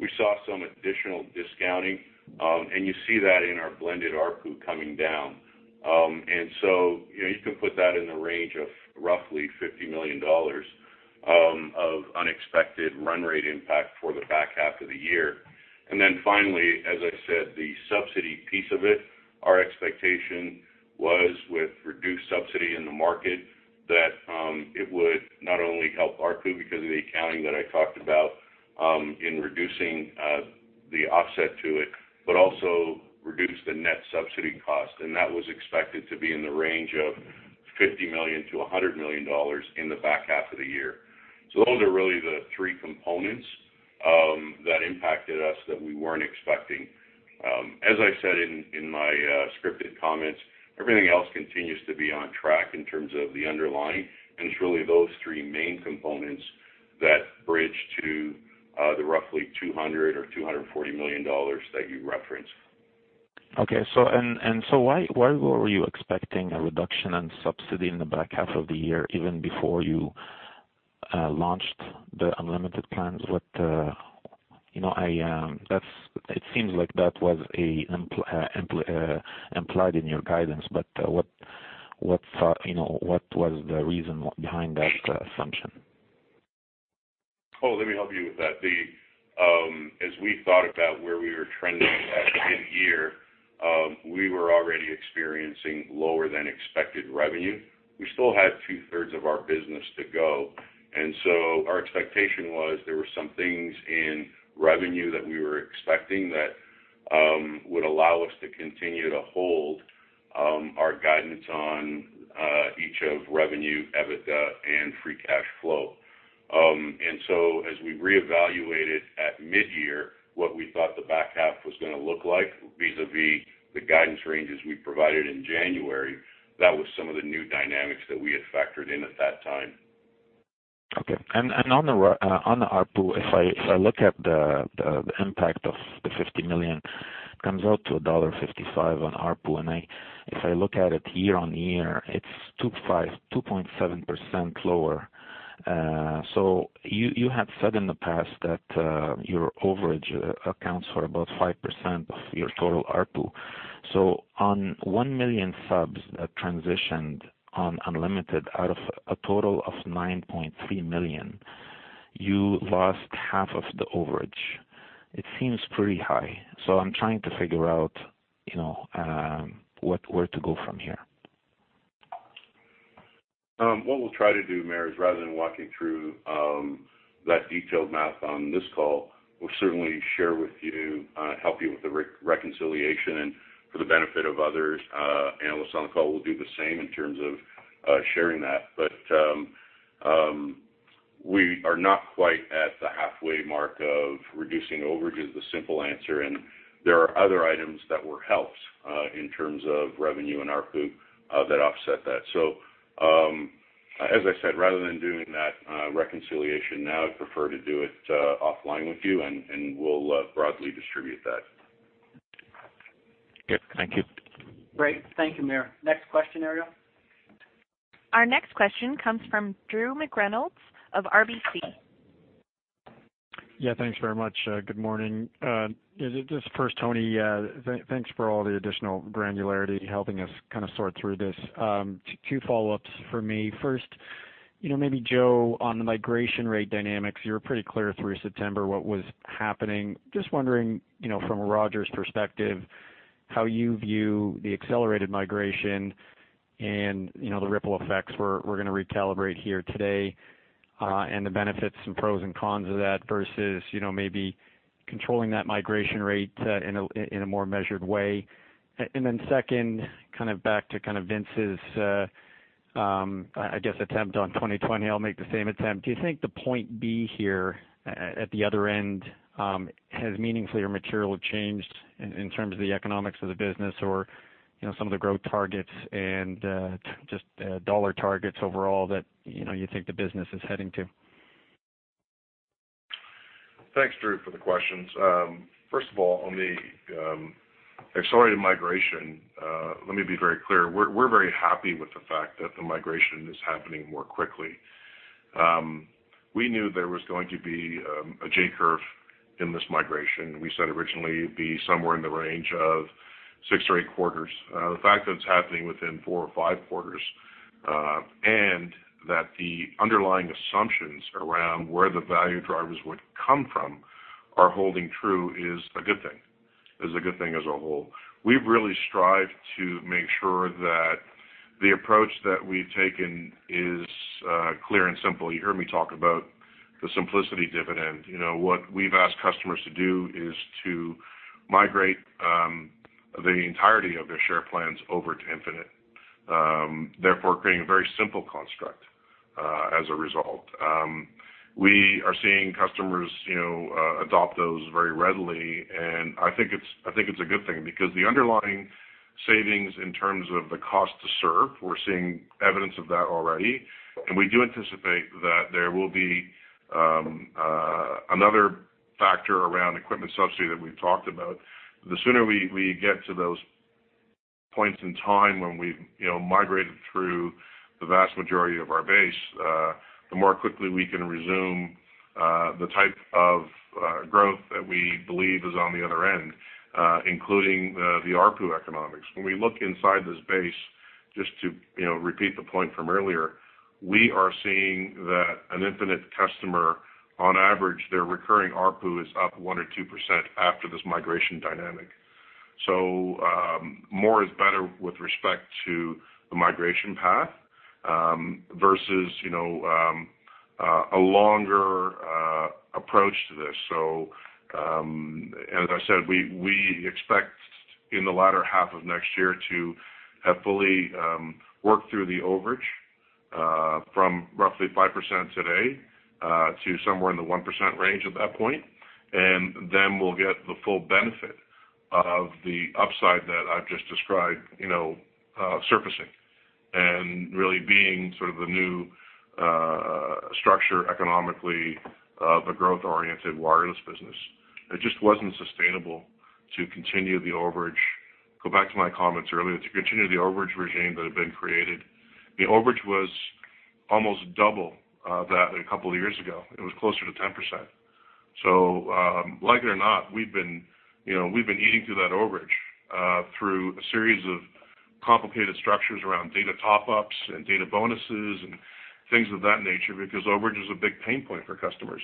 We saw some additional discounting, and you see that in our blended ARPU coming down. And so you can put that in the range of roughly 50 million dollars of unexpected run rate impact for the back half of the year. And then finally, as I said, the subsidy piece of it, our expectation was with reduced subsidy in the market that it would not only help ARPU because of the accounting that I talked about in reducing the offset to it, but also reduce the net subsidy cost. And that was expected to be in the range of 50 million-100 million dollars in the back half of the year. So those are really the three components that impacted us that we weren't expecting. As I said in my scripted comments, everything else continues to be on track in terms of the underlying. And it's really those three main components that bridge to the roughly 200 million or 240 million dollars that you referenced. Okay. And so why were you expecting a reduction in subsidy in the back half of the year even before you launched the unlimited plans? It seems like that was implied in your guidance. But what was the reason behind that assumption? Oh, let me help you with that. As we thought about where we were trending at mid-year, we were already experiencing lower than expected revenue. We still had two-thirds of our business to go. And so our expectation was there were some things in revenue that we were expecting that would allow us to continue to hold our guidance on each of revenue, EBITDA, and free cash flow. And so as we re-evaluated at mid-year what we thought the back half was going to look like vis-à-vis the guidance ranges we provided in January, that was some of the new dynamics that we had factored in at that time. Okay. And on the ARPU, if I look at the impact of the 50 million, it comes out to dollar 1.55 on AARPU. And if I look at it year on year, it's 2.7% lower. So you had said in the past that your overage accounts for about 5% of your total ARPU. So on one million subs that transitioned on unlimited out of a total of 9.3 million, you lost half of the overage. It seems pretty high. So I'm trying to figure out where to go from here. What we'll try to do, Maher, is rather than walking through that detailed math on this call, we'll certainly share with you, help you with the reconciliation, and for the benefit of others. Analysts on the call will do the same in terms of sharing that, but we are not quite at the halfway mark of reducing overage, is the simple answer, and there are other items that were helped in terms of revenue and ARPU that offset that, so as I said, rather than doing that reconciliation now, I'd prefer to do it offline with you, and we'll broadly distribute that. Yep. Thank you. Great. Thank you, Maher. Next question, Ariel. Our next question comes from Drew McReynolds of RBC. Yeah. Thanks very much. Good morning. This is first, Tony. Thanks for all the additional granularity helping us kind of sort through this. Two follow-ups for me. First, maybe Joe on the migration rate dynamics. You were pretty clear through September what was happening. Just wondering from a Rogers perspective how you view the accelerated migration and the ripple effects we're going to recalibrate here today and the benefits and pros and cons of that versus maybe controlling that migration rate in a more measured way, and then second, kind of back to kind of Vince's, I guess, attempt on 2020. I'll make the same attempt. Do you think the point B here at the other end has meaningfully or materially changed in terms of the economics of the business or some of the growth targets and just dollar targets overall that you think the business is heading to? Thanks, Drew, for the questions. First of all, on the accelerated migration, let me be very clear. We're very happy with the fact that the migration is happening more quickly. We knew there was going to be a J curve in this migration. We said originally it'd be somewhere in the range of six or eight quarters. The fact that it's happening within four or five quarters and that the underlying assumptions around where the value drivers would come from are holding true is a good thing. It's a good thing as a whole. We've really strived to make sure that the approach that we've taken is clear and simple. You hear me talk about the simplicity dividend. What we've asked customers to do is to migrate the entirety of their share plans over to Infinite, therefore creating a very simple construct as a result. We are seeing customers adopt those very readily, and I think it's a good thing because the underlying savings in terms of the cost to serve. We're seeing evidence of that already, and we do anticipate that there will be another factor around equipment subsidy that we've talked about. The sooner we get to those points in time when we've migrated through the vast majority of our base, the more quickly we can resume the type of growth that we believe is on the other end, including the ARPU economics. When we look inside this base, just to repeat the point from earlier, we are seeing that an Infinite customer, on average, their recurring ARPU is up 1% or 2% after this migration dynamic, so more is better with respect to the migration path versus a longer approach to this. So as I said, we expect in the latter half of next year to have fully worked through the overage from roughly 5% today to somewhere in the 1% range at that point. And then we'll get the full benefit of the upside that I've just described surfacing and really being sort of the new structure economically of a growth-oriented Wireless business. It just wasn't sustainable to continue the overage. Go back to my comments earlier. To continue the overage regime that had been created, the overage was almost double that a couple of years ago. It was closer to 10%. So like it or not, we've been eating through that overage through a series of complicated structures around data top-ups and data bonuses and things of that nature because overage is a big pain point for customers.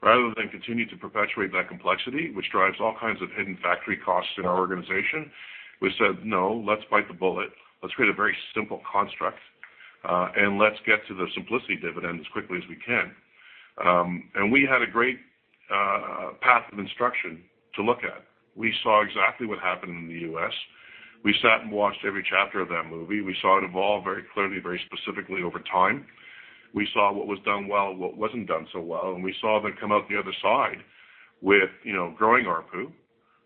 Rather than continue to perpetuate that complexity, which drives all kinds of hidden factory costs in our organization, we said, "No, let's bite the bullet. Let's create a very simple construct, and let's get to the simplicity dividend as quickly as we can," and we had a great path of instruction to look at. We saw exactly what happened in the U.S. We sat and watched every chapter of that movie. We saw it evolve very clearly, very specifically over time. We saw what was done well, what wasn't done so well, and we saw them come out the other side with growing ARPU,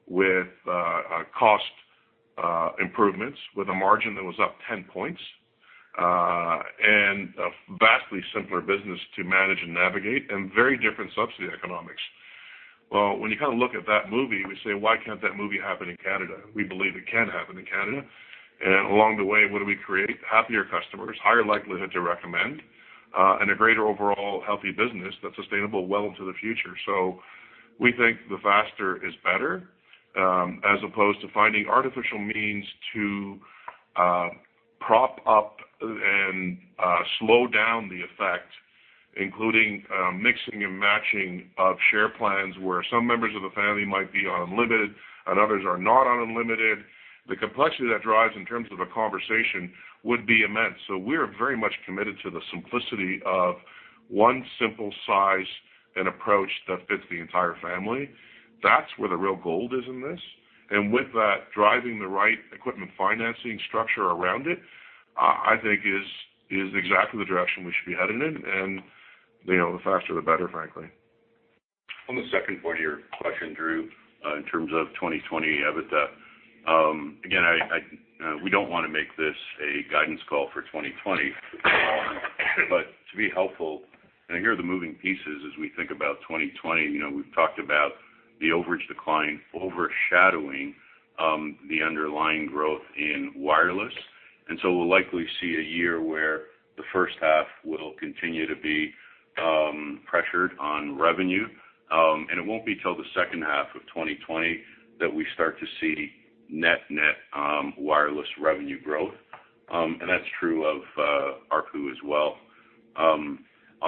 with cost improvements, with a margin that was up 10 points, and a vastly simpler business to manage and navigate, and very different subsidy economics. When you kind of look at that movie, we say, "Why can't that movie happen in Canada?" We believe it can happen in Canada. Along the way, what do we create? Happier customers, higher likelihood to recommend, and a greater overall healthy business that's sustainable well into the future. We think the faster is better as opposed to finding artificial means to prop up and slow down the effect, including mixing and matching of share plans where some members of the family might be on unlimited and others are not on unlimited. The complexity that drives in terms of a conversation would be immense. We are very much committed to the simplicity of one simple size and approach that fits the entire family. That's where the real gold is in this. With that, driving the right equipment financing structure around it, I think, is exactly the direction we should be heading in. The faster, the better, frankly. On the second part of your question, Drew, in terms of 2020 EBITDA, again, we don't want to make this a guidance call for 2020. To be helpful, and here are the moving pieces as we think about 2020. We've talked about the overage decline overshadowing the underlying growth in Wireless. So we'll likely see a year where the first half will continue to be pressured on revenue. It won't be till the second half of 2020 that we start to see net-net Wireless revenue growth. That's true of ARPU as well. On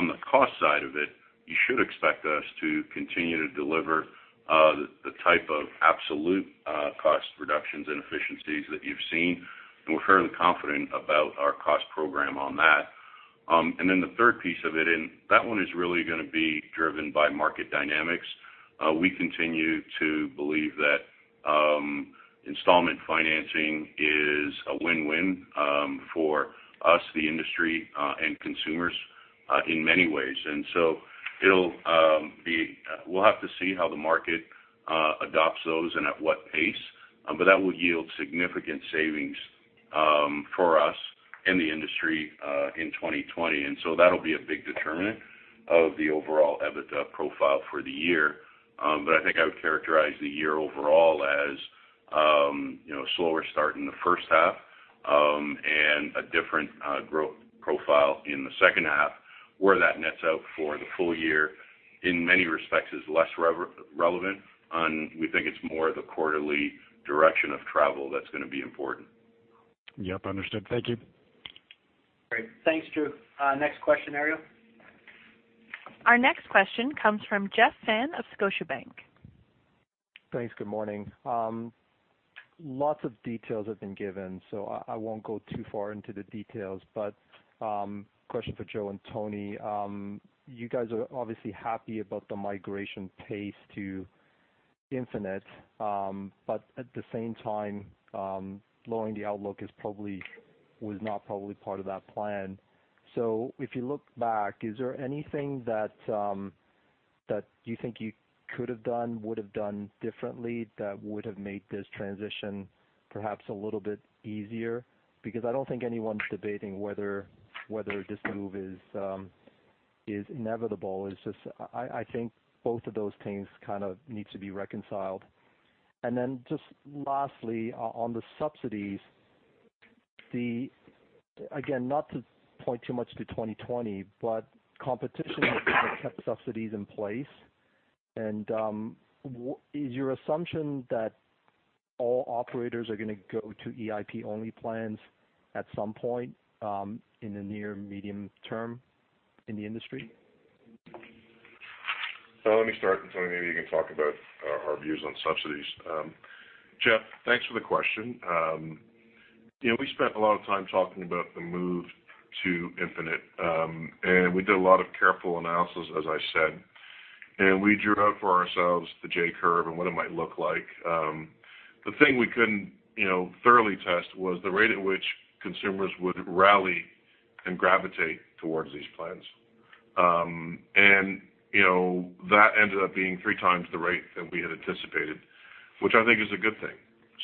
the cost side of it, you should expect us to continue to deliver the type of absolute cost reductions and efficiencies that you've seen. And we're fairly confident about our cost program on that. And then the third piece of it, and that one is really going to be driven by market dynamics. We continue to believe that installment financing is a win-win for us, the industry, and consumers in many ways. And so we'll have to see how the market adopts those and at what pace. But that will yield significant savings for us and the industry in 2020. And so that'll be a big determinant of the overall EBITDA profile for the year. But I think I would characterize the year overall as a slower start in the first half and a different growth profile in the second half, where that nets out for the full year in many respects is less relevant. And we think it's more the quarterly direction of travel that's going to be important. Yep. Understood. Thank you. Great. Thanks, Drew. Next question, Ariel. Our next question comes from Jeff Fan of Scotiabank. Thanks. Good morning. Lots of details have been given, so I won't go too far into the details. But question for Joe and Tony. You guys are obviously happy about the migration pace to Infinite. But at the same time, lowering the outlook was not probably part of that plan. So if you look back, is there anything that you think you could have done, would have done differently that would have made this transition perhaps a little bit easier? Because I don't think anyone's debating whether this move is inevitable. I think both of those things kind of need to be reconciled. And then just lastly, on the subsidies, again, not to point too much to 2020, but competition kept subsidies in place. And is your assumption that all operators are going to go to EIP-only plans at some point in the near medium term in the industry? Let me start, and Tony, maybe you can talk about our views on subsidies. Jeff, thanks for the question. We spent a lot of time talking about the move to Infinite, and we did a lot of careful analysis, as I said, and we drew out for ourselves the J curve and what it might look like. The thing we couldn't thoroughly test was the rate at which consumers would rally and gravitate towards these plans, and that ended up being three times the rate that we had anticipated, which I think is a good thing,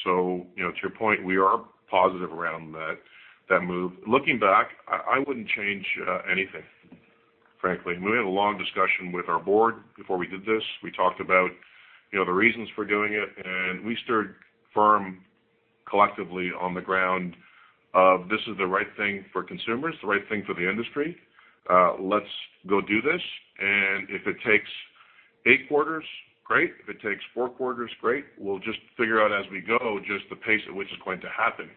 so to your point, we are positive around that move. Looking back, I wouldn't change anything, frankly. We had a long discussion with our board before we did this. We talked about the reasons for doing it. We stood firm collectively on the ground of, "This is the right thing for consumers, the right thing for the industry. Let's go do this." If it takes eight quarters, great. If it takes four quarters, great. We'll just figure out as we go just the pace at which it's going to happen.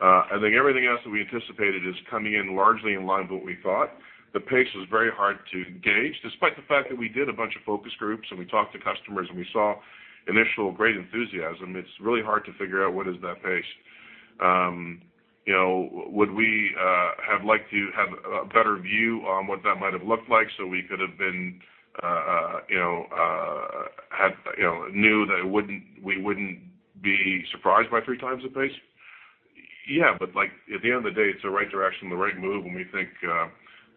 I think everything else that we anticipated is coming in largely in line with what we thought. The pace was very hard to gauge. Despite the fact that we did a bunch of focus groups and we talked to customers and we saw initial great enthusiasm, it's really hard to figure out what is that pace. Would we have liked to have a better view on what that might have looked like so we could have been had knew that we wouldn't be surprised by 3x the pace? Yeah. But at the end of the day, it's the right direction, the right move, and we think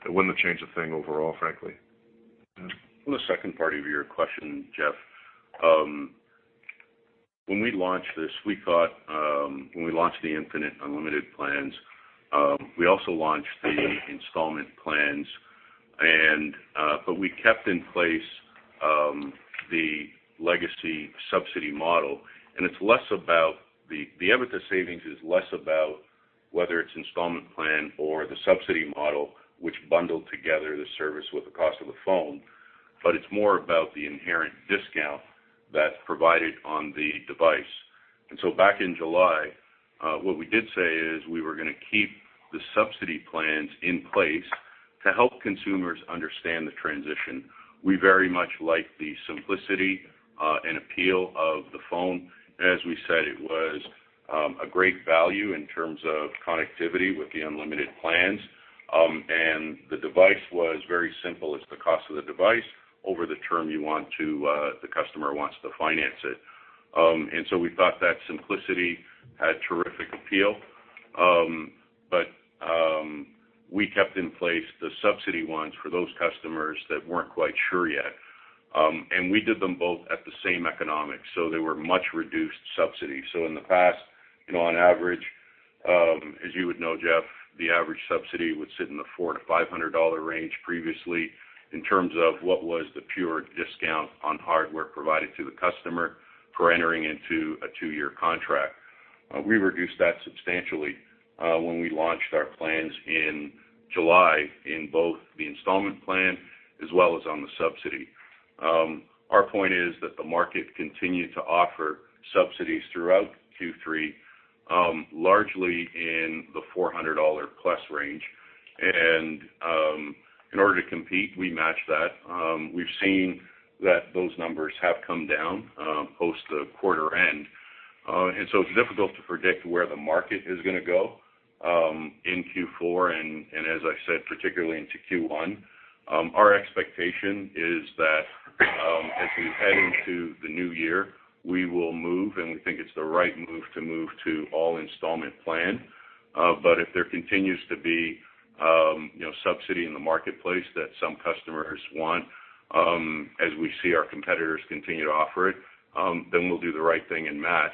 it wouldn't have changed a thing overall, frankly. On the second part of your question, Jeff, when we launched this, we thought when we launched the Infinite unlimited plans, we also launched the installment plans. But we kept in place the legacy subsidy model. And it's less about the EBITDA savings is less about whether it's installment plan or the subsidy model, which bundled together the service with the cost of the phone. But it's more about the inherent discount that's provided on the device. And so back in July, what we did say is we were going to keep the subsidy plans in place to help consumers understand the transition. We very much liked the simplicity and appeal of the phone. As we said, it was a great value in terms of connectivity with the unlimited plans. And the device was very simple. It's the cost of the device over the term you want to the customer wants to finance it. And so we thought that simplicity had terrific appeal. But we kept in place the subsidy ones for those customers that weren't quite sure yet. And we did them both at the same economic. So they were much reduced subsidies. So in the past, on average, as you would know, Jeff, the average subsidy would sit in the 400-500 dollar range previously in terms of what was the pure discount on hardware provided to the customer for entering into a two-year contract. We reduced that substantially when we launched our plans in July in both the installment plan as well as on the subsidy. Our point is that the market continued to offer subsidies throughout Q3, largely in the 400+ dollar range, and in order to compete, we match that. We've seen that those numbers have come down post the quarter end, and so it's difficult to predict where the market is going to go in Q4 and, as I said, particularly into Q1. Our expectation is that as we head into the new year, we will move, and we think it's the right move to move to all installment plan, but if there continues to be subsidy in the marketplace that some customers want, as we see our competitors continue to offer it, then we'll do the right thing and match,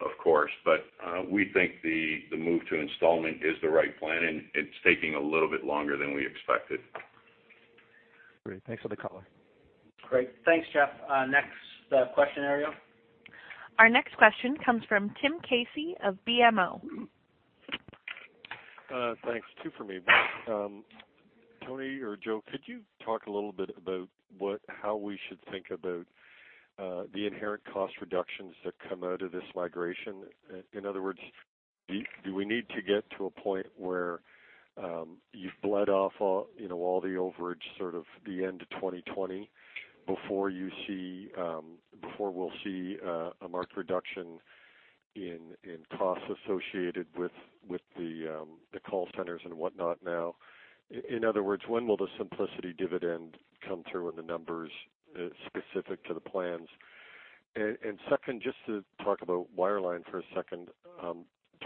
of course, but we think the move to installment is the right plan, and it's taking a little bit longer than we expected. Great. Thanks for the color. Great. Thanks, Jeff. Next question, Ariel. Our next question comes from Tim Casey of BMO. Thanks. Two for me. Tony or Joe, could you talk a little bit about how we should think about the inherent cost reductions that come out of this migration? In other words, do we need to get to a point where you've bled off all the overage sort of the end of 2020 before we'll see a marked reduction in costs associated with the call centers and whatnot now? In other words, when will the simplicity dividend come through in the numbers specific to the plans? And second, just to talk about wireline for a second,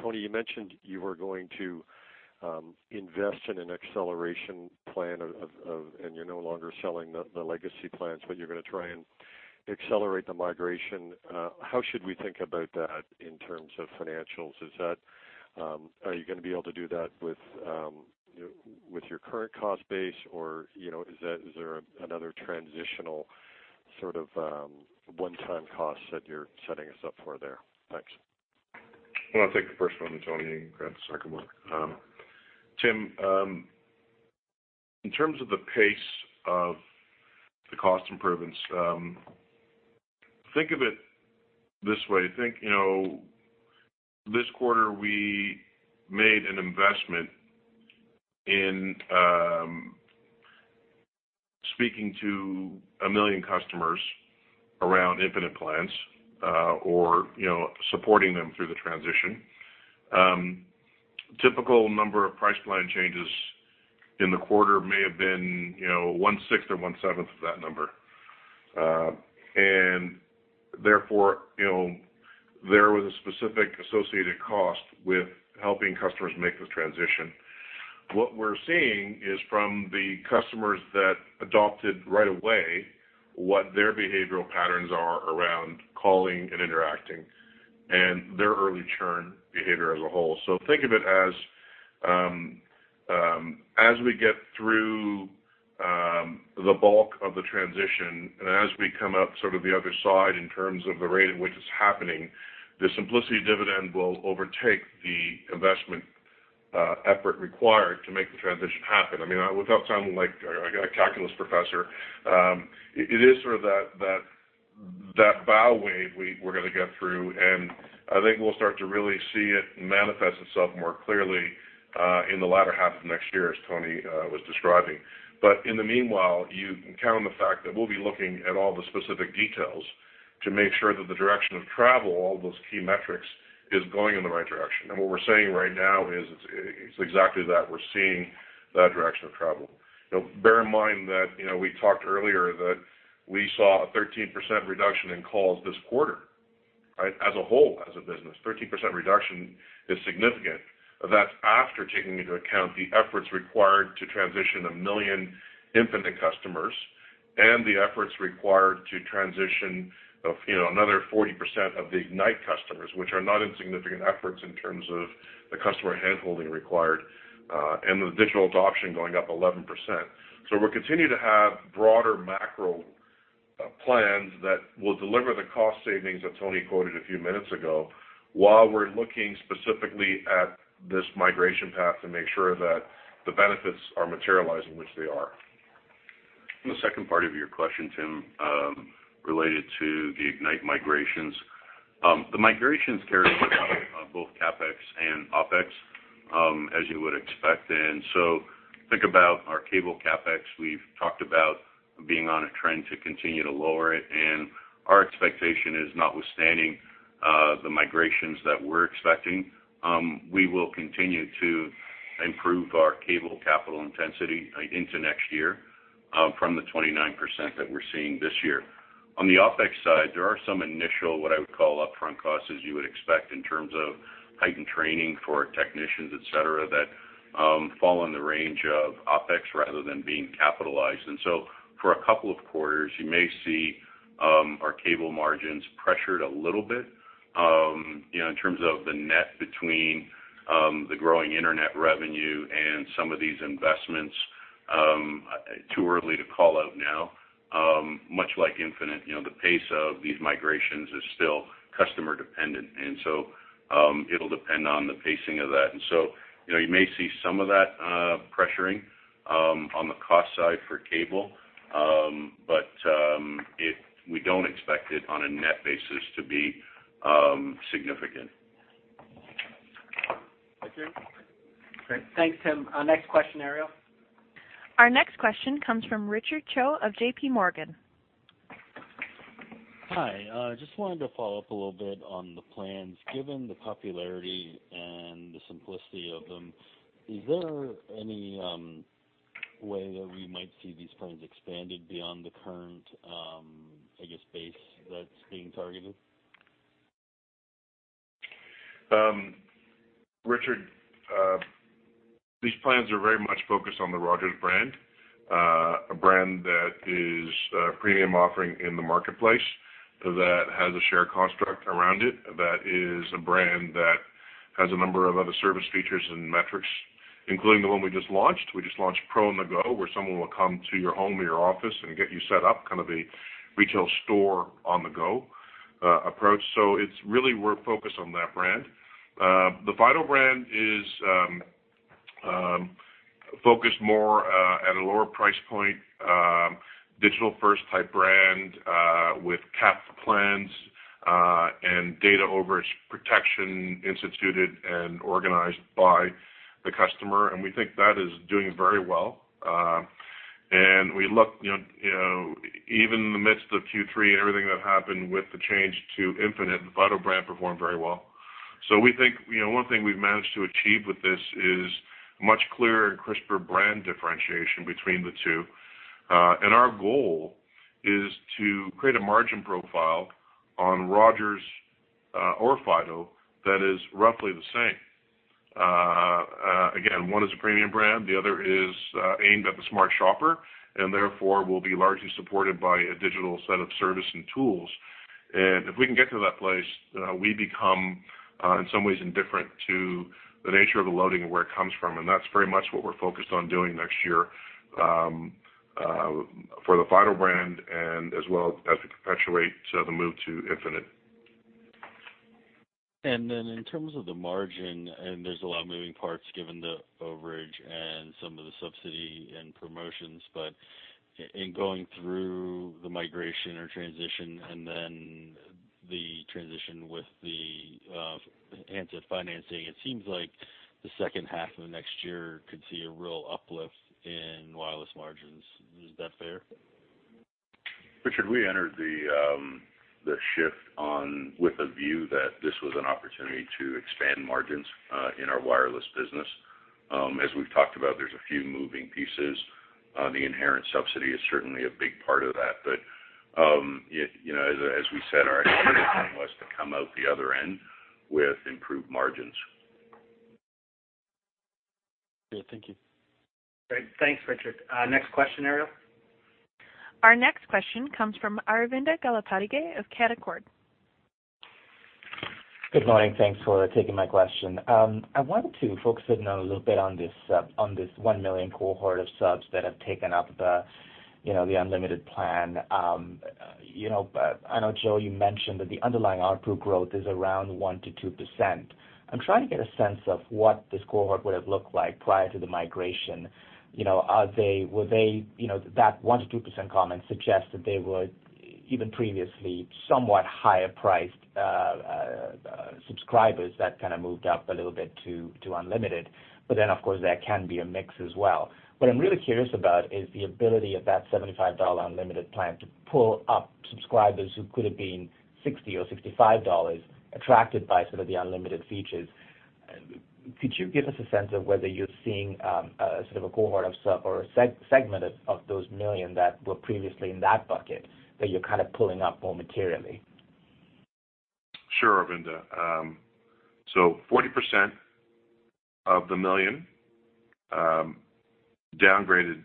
Tony, you mentioned you were going to invest in an acceleration plan, and you're no longer selling the legacy plans, but you're going to try and accelerate the migration. How should we think about that in terms of financials? Are you going to be able to do that with your current cost base, or is there another transitional sort of one-time costs that you're setting us up for there? Thanks. I'll take the first one, and Tony can grab the second one. Tim, in terms of the pace of the cost improvements, think of it this way. This quarter, we made an investment in speaking to a million customers around Infinite plans or supporting them through the transition. Typical number of price plan changes in the quarter may have been one-sixth or one-seventh of that number. And therefore, there was a specific associated cost with helping customers make the transition. What we're seeing is from the customers that adopted right away what their behavioral patterns are around calling and interacting and their early churn behavior as a whole. So think of it as we get through the bulk of the transition and as we come out sort of the other side in terms of the rate at which it's happening, the simplicity dividend will overtake the investment effort required to make the transition happen. I mean, without sounding like a calculus professor, it is sort of that bow wave we're going to get through. And I think we'll start to really see it manifest itself more clearly in the latter half of next year, as Tony was describing. But in the meanwhile, you count on the fact that we'll be looking at all the specific details to make sure that the direction of travel, all those key metrics, is going in the right direction. And what we're saying right now is it's exactly that. We're seeing that direction of travel. Bear in mind that we talked earlier that we saw a 13% reduction in calls this quarter, right, as a whole as a business. 13% reduction is significant. That's after taking into account the efforts required to transition a million Infinite customers and the efforts required to transition another 40% of the Ignite customers, which are not insignificant efforts in terms of the customer handholding required and the digital adoption going up 11%. So we'll continue to have broader macro plans that will deliver the cost savings that Tony quoted a few minutes ago while we're looking specifically at this migration path to make sure that the benefits are materializing, which they are. The second part of your question, Tim, related to the Ignite migrations. The migrations carry both CapEx and OpEx, as you would expect, and so think about our Cable CapEx. We've talked about being on a trend to continue to lower it, and our expectation is notwithstanding the migrations that we're expecting, we will continue to improve our Cable capital intensity into next year from the 29% that we're seeing this year. On the OpEx side, there are some initial, what I would call upfront costs, as you would expect in terms of heightened training for technicians, etc., that fall in the range of OpEx rather than being capitalized, and so for a couple of quarters, you may see our Cable margins pressured a little bit in terms of the net between the growing internet revenue and some of these investments. Too early to call out now. Much like Infinite, the pace of these migrations is still customer-dependent, and so it'll depend on the pacing of that. And so you may see some of that pressuring on the cost side for Cable, but we don't expect it on a net basis to be significant. Thank you. Okay. Thanks, Tim. Next question, Ariel. Our next question comes from Richard Choe of JPMorgan. Hi. I just wanted to follow up a little bit on the plans. Given the popularity and the simplicity of them, is there any way that we might see these plans expanded beyond the current, I guess, base that's being targeted? Richard, these plans are very much focused on the Rogers brand, a brand that is a premium offering in the marketplace that has a shared construct around it, that is a brand that has a number of other service features and metrics, including the one we just launched. We just launched Pro On-the-Go, where someone will come to your home or your office and get you set up, kind of a retail store on the go approach. So it's really we're focused on that brand. The Fido brand is focused more at a lower price point, digital-first type brand with cap plans and Data Overage Protection instituted and organized by the customer, and we think that is doing very well, and we looked even in the midst of Q3 and everything that happened with the change to Infinite, the Fido brand performed very well. So we think one thing we've managed to achieve with this is much clearer and crisper brand differentiation between the two. And our goal is to create a margin profile on Rogers or Fido that is roughly the same. Again, one is a premium brand. The other is aimed at the smart shopper. And therefore, will be largely supported by a digital set of service and tools. And if we can get to that place, we become in some ways indifferent to the nature of the loading and where it comes from. And that's very much what we're focused on doing next year for the Fido brand and as well as to perpetuate the move to Infinite. And then in terms of the margin, and there's a lot of moving parts given the overage and some of the subsidy and promotions. But in going through the migration or transition and then the transition with the enhanced financing, it seems like the second half of next year could see a real uplift in Wireless margins. Is that fair? Richard, we entered the shift with a view that this was an opportunity to expand margins in our Wireless business. As we've talked about, there's a few moving pieces. The inherent subsidy is certainly a big part of that. But as we said, our expectation was to come out the other end with improved margins. Good. Thank you. Great. Thanks, Richard. Next question, Ariel. Our next question comes from Aravinda Galappatthige of Canaccord. Good morning. Thanks for taking my question. I wanted to focus in a little bit on this one million cohort of subs that have taken up the unlimited plan. I know, Joe, you mentioned that the underlying output growth is around 1%-2%. I'm trying to get a sense of what this cohort would have looked like prior to the migration. Were they? That 1%-2% comment suggests that they were even previously somewhat higher-priced subscribers that kind of moved up a little bit to unlimited. But then, of course, there can be a mix as well. What I'm really curious about is the ability of that 75 dollar unlimited plan to pull up subscribers who could have been 60 or 65 dollars attracted by some of the unlimited features. Could you give us a sense of whether you're seeing sort of a cohort of sub or a segment of those million that were previously in that bucket that you're kind of pulling up more materially? Sure, Aravinda. So 40% of the million downgraded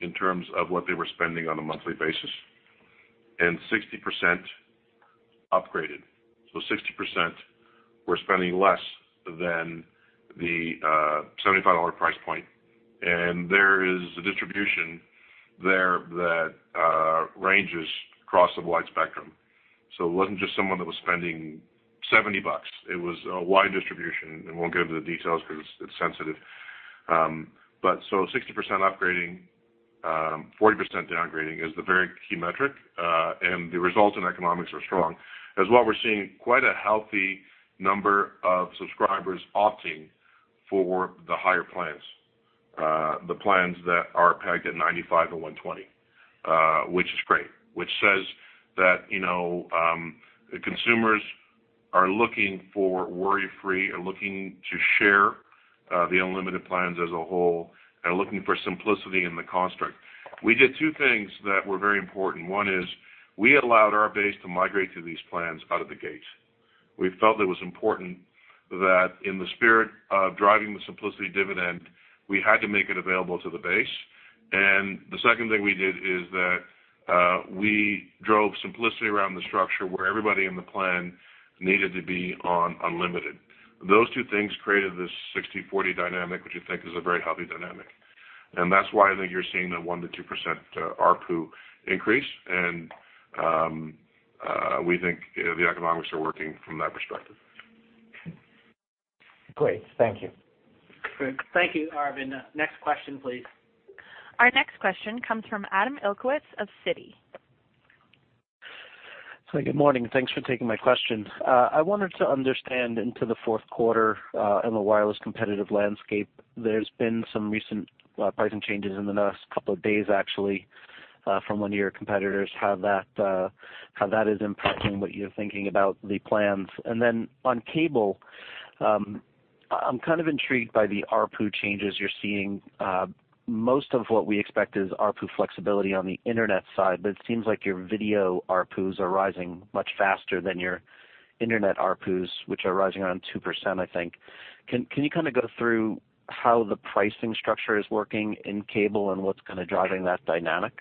in terms of what they were spending on a monthly basis and 60% upgraded. So 60% were spending less than the 75 dollar price point. And there is a distribution there that ranges across the wide spectrum. So it wasn't just someone that was spending 70 bucks. It was a wide distribution. And we won't get into the details because it's sensitive. But so 60% upgrading, 40% downgrading is the very key metric. And the results and economics are strong. As well, we're seeing quite a healthy number of subscribers opting for the higher plans, the plans that are pegged at 95 and 120, which is great, which says that consumers are looking for worry-free, are looking to share the unlimited plans as a whole, and are looking for simplicity in the construct. We did two things that were very important. One is we allowed our base to migrate to these plans out of the gate. We felt it was important that in the spirit of driving the simplicity dividend, we had to make it available to the base. And the second thing we did is that we drove simplicity around the structure where everybody in the plan needed to be on unlimited. Those two things created this 60/40 dynamic, which I think is a very healthy dynamic. And that's why I think you're seeing the 1%-2% ARPU increase. And we think the economics are working from that perspective. Great. Thank you. Great. Thank you, Aravinda. Next question, please. Our next question comes from Adam Ilkowitz of Citi. Hi. Good morning. Thanks for taking my question. I wanted to understand into the fourth quarter in the wireless competitive landscape. There's been some recent pricing changes in the last couple of days, actually, from one of your competitors. How that is impacting what you're thinking about the plans. And then on Cable, I'm kind of intrigued by the ARPU changes you're seeing. Most of what we expect is ARPU flexibility on the internet side. But it seems like your video ARPUs are rising much faster than your internet ARPUs, which are rising around 2%, I think. Can you kind of go through how the pricing structure is working in Cable and what's kind of driving that dynamic?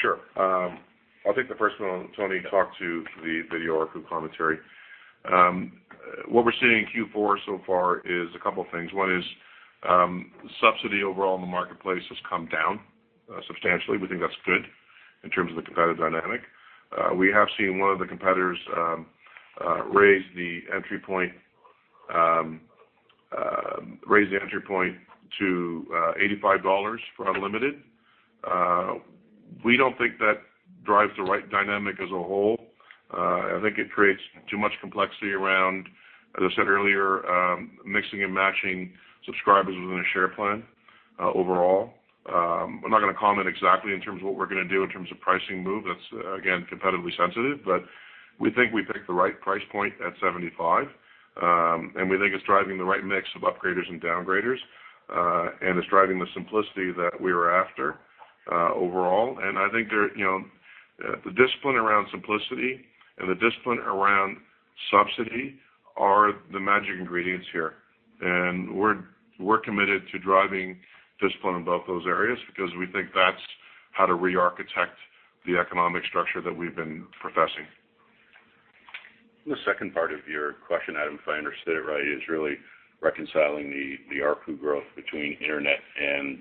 Sure. I'll take the first one, Tony, talk to the video ARPU commentary. What we're seeing in Q4 so far is a couple of things. One is subsidy overall in the marketplace has come down substantially. We think that's good in terms of the competitive dynamic. We have seen one of the competitors raise the entry point to 85 dollars for unlimited. We don't think that drives the right dynamic as a whole. I think it creates too much complexity around, as I said earlier, mixing and matching subscribers within a share plan overall. I'm not going to comment exactly in terms of what we're going to do in terms of pricing move. That's, again, competitively sensitive. But we think we picked the right price point at 75. And we think it's driving the right mix of upgraders and downgraders and is driving the simplicity that we are after overall. I think the discipline around simplicity and the discipline around subsidy are the magic ingredients here. We're committed to driving discipline in both those areas because we think that's how to re-architect the economic structure that we've been professing. The second part of your question, Adam, if I understood it right, is really reconciling the ARPU growth between internet and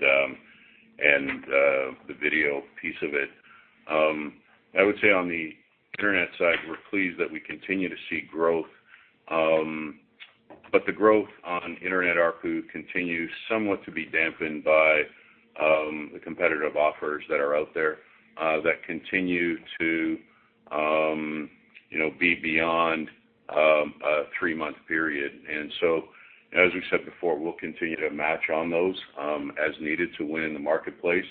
the video piece of it. I would say on the internet side, we're pleased that we continue to see growth. But the growth on internet ARPU continues somewhat to be dampened by the competitive offers that are out there that continue to be beyond a three-month period. So, as we said before, we'll continue to match on those as needed to win in the marketplace.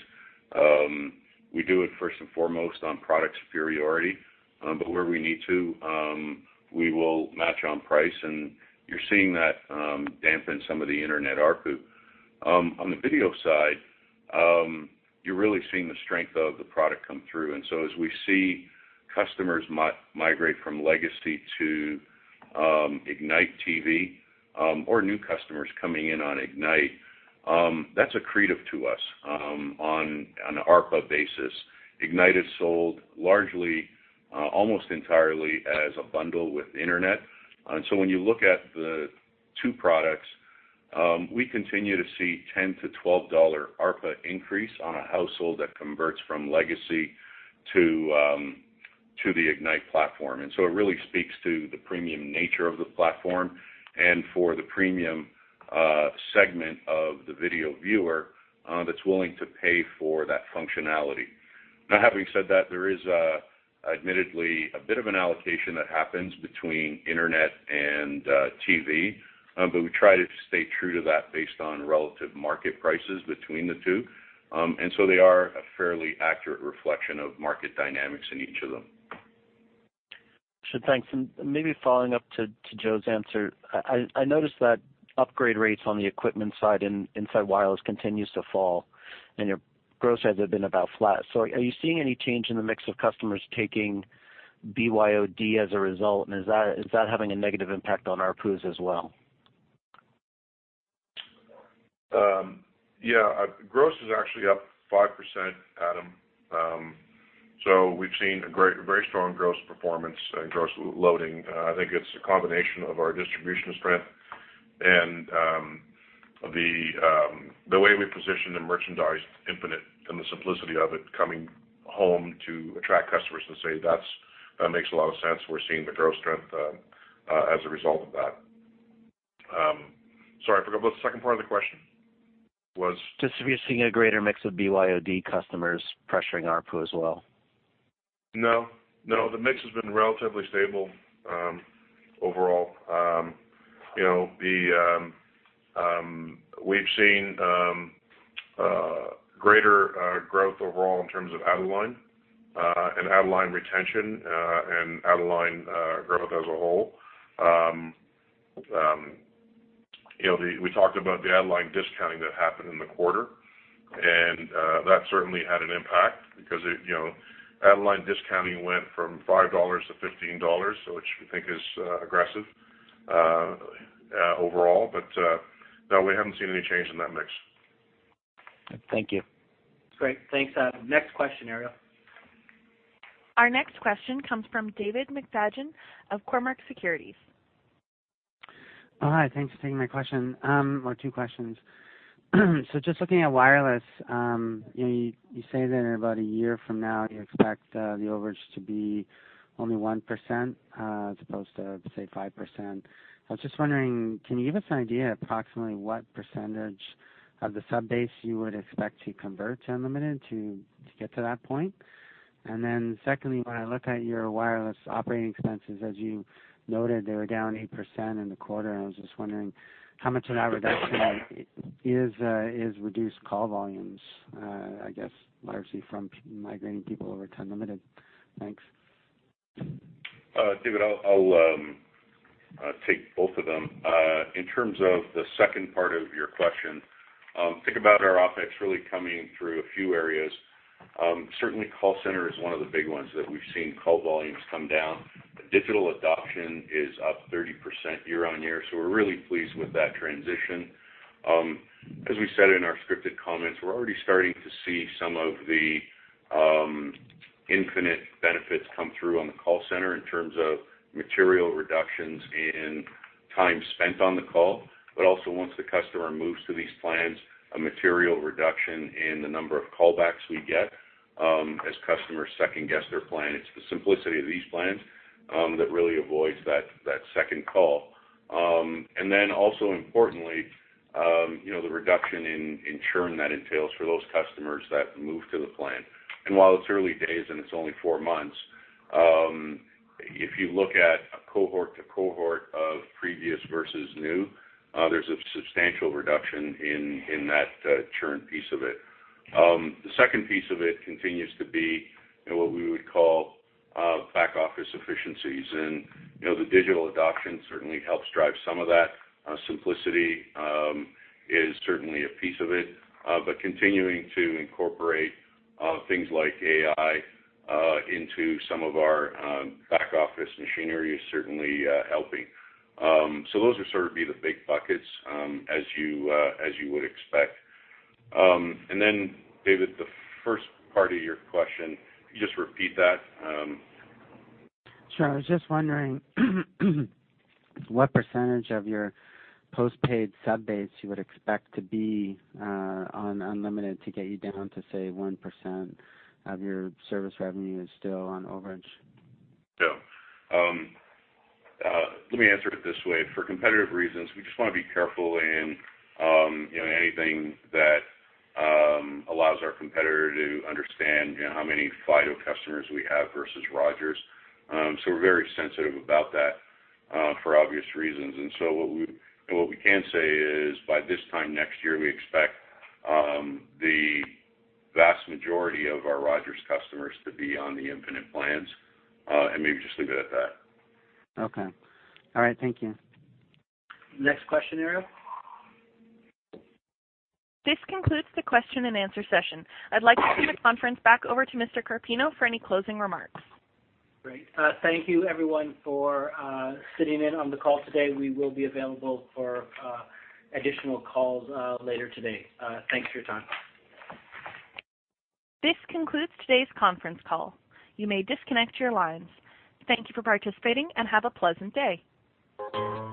We do it first and foremost on product superiority. But where we need to, we will match on price. And you're seeing that dampen some of the internet ARPU. On the video side, you're really seeing the strength of the product come through. And so as we see customers migrate from legacy to Ignite TV or new customers coming in on Ignite, that's a creative to us on an ARPA basis. Ignite is sold largely, almost entirely, as a bundle with internet. And so when you look at the two products, we continue to see 10-12 dollar ARPA increase on a household that converts from legacy to the Ignite platform. And so it really speaks to the premium nature of the platform and for the premium segment of the video viewer that's willing to pay for that functionality. Now, having said that, there is admittedly a bit of an allocation that happens between internet and TV. But we try to stay true to that based on relative market prices between the two. And so they are a fairly accurate reflection of market dynamics in each of them. Sure, thanks. And maybe following up to Joe's answer, I noticed that upgrade rates on the equipment side inside Wireless continues to fall. And your gross has been about flat. So are you seeing any change in the mix of customers taking BYOD as a result? And is that having a negative impact on ARPUs as well? Yeah. Gross is actually up 5%, Adam. So we've seen a very strong gross performance and gross loading. I think it's a combination of our distribution strength and the way we position the Rogers Infinite and the simplicity of it coming home to attract customers and say, "That makes a lot of sense." We're seeing the gross strength as a result of that. Sorry, I forgot. What was the second part of the question? Was? Just if you're seeing a greater mix of BYOD customers pressuring ARPU as well. No. No. The mix has been relatively stable overall. We've seen greater growth overall in terms of online and online retention and online growth as a whole. We talked about the online discounting that happened in the quarter, and that certainly had an impact because online discounting went from 5 dollars to 15 dollars, which we think is aggressive overall, but no, we haven't seen any change in that mix. Thank you. Great. Thanks, Adam. Next question, Ariel. Our next question comes from David McFadgen of Cormark Securities. Hi. Thanks for taking my question or two questions. So just looking at Wireless, you say that about a year from now, you expect the overage to be only 1% as opposed to, say, 5%. I was just wondering, can you give us an idea of approximately what percentage of the subbase you would expect to convert to unlimited to get to that point? And then secondly, when I look at your Wireless operating expenses, as you noted, they were down 8% in the quarter. I was just wondering how much of that reduction is reduced call volumes, I guess, largely from migrating people over to unlimited. Thanks. David, I'll take both of them. In terms of the second part of your question, think about our OpEx really coming through a few areas. Certainly, call center is one of the big ones that we've seen call volumes come down. Digital adoption is up 30% year on year. So we're really pleased with that transition. As we said in our scripted comments, we're already starting to see some of the Infinite benefits come through on the call center in terms of material reductions in time spent on the call. But also, once the customer moves to these plans, a material reduction in the number of callbacks we get as customers second-guess their plan. It's the simplicity of these plans that really avoids that second call. And then also importantly, the reduction in churn that entails for those customers that move to the plan. And while it's early days and it's only four months, if you look at a cohort to cohort of previous versus new, there's a substantial reduction in that churn piece of it. The second piece of it continues to be what we would call back office efficiencies. And the digital adoption certainly helps drive some of that. Simplicity is certainly a piece of it. But continuing to incorporate things like AI into some of our back office machinery is certainly helping. So those would sort of be the big buckets, as you would expect. And then, David, the first part of your question, can you just repeat that? Sure. I was just wondering what percentage of your postpaid subbase you would expect to be on unlimited to get you down to, say, 1% of your service revenue is still on overage? No. Let me answer it this way. For competitive reasons, we just want to be careful in anything that allows our competitor to understand how many Fido customers we have versus Rogers. So we're very sensitive about that for obvious reasons. And so what we can say is, by this time next year, we expect the vast majority of our Rogers customers to be on the Infinite plans. And maybe just leave it at that. Okay. All right. Thank you. Next question, Ariel. This concludes the question and answer session. I'd like to turn the conference back over to Mr. Carpino for any closing remarks. Great. Thank you, everyone, for sitting in on the call today. We will be available for additional calls later today. Thanks for your time. This concludes today's conference call. You may disconnect your lines. Thank you for participating and have a pleasant day.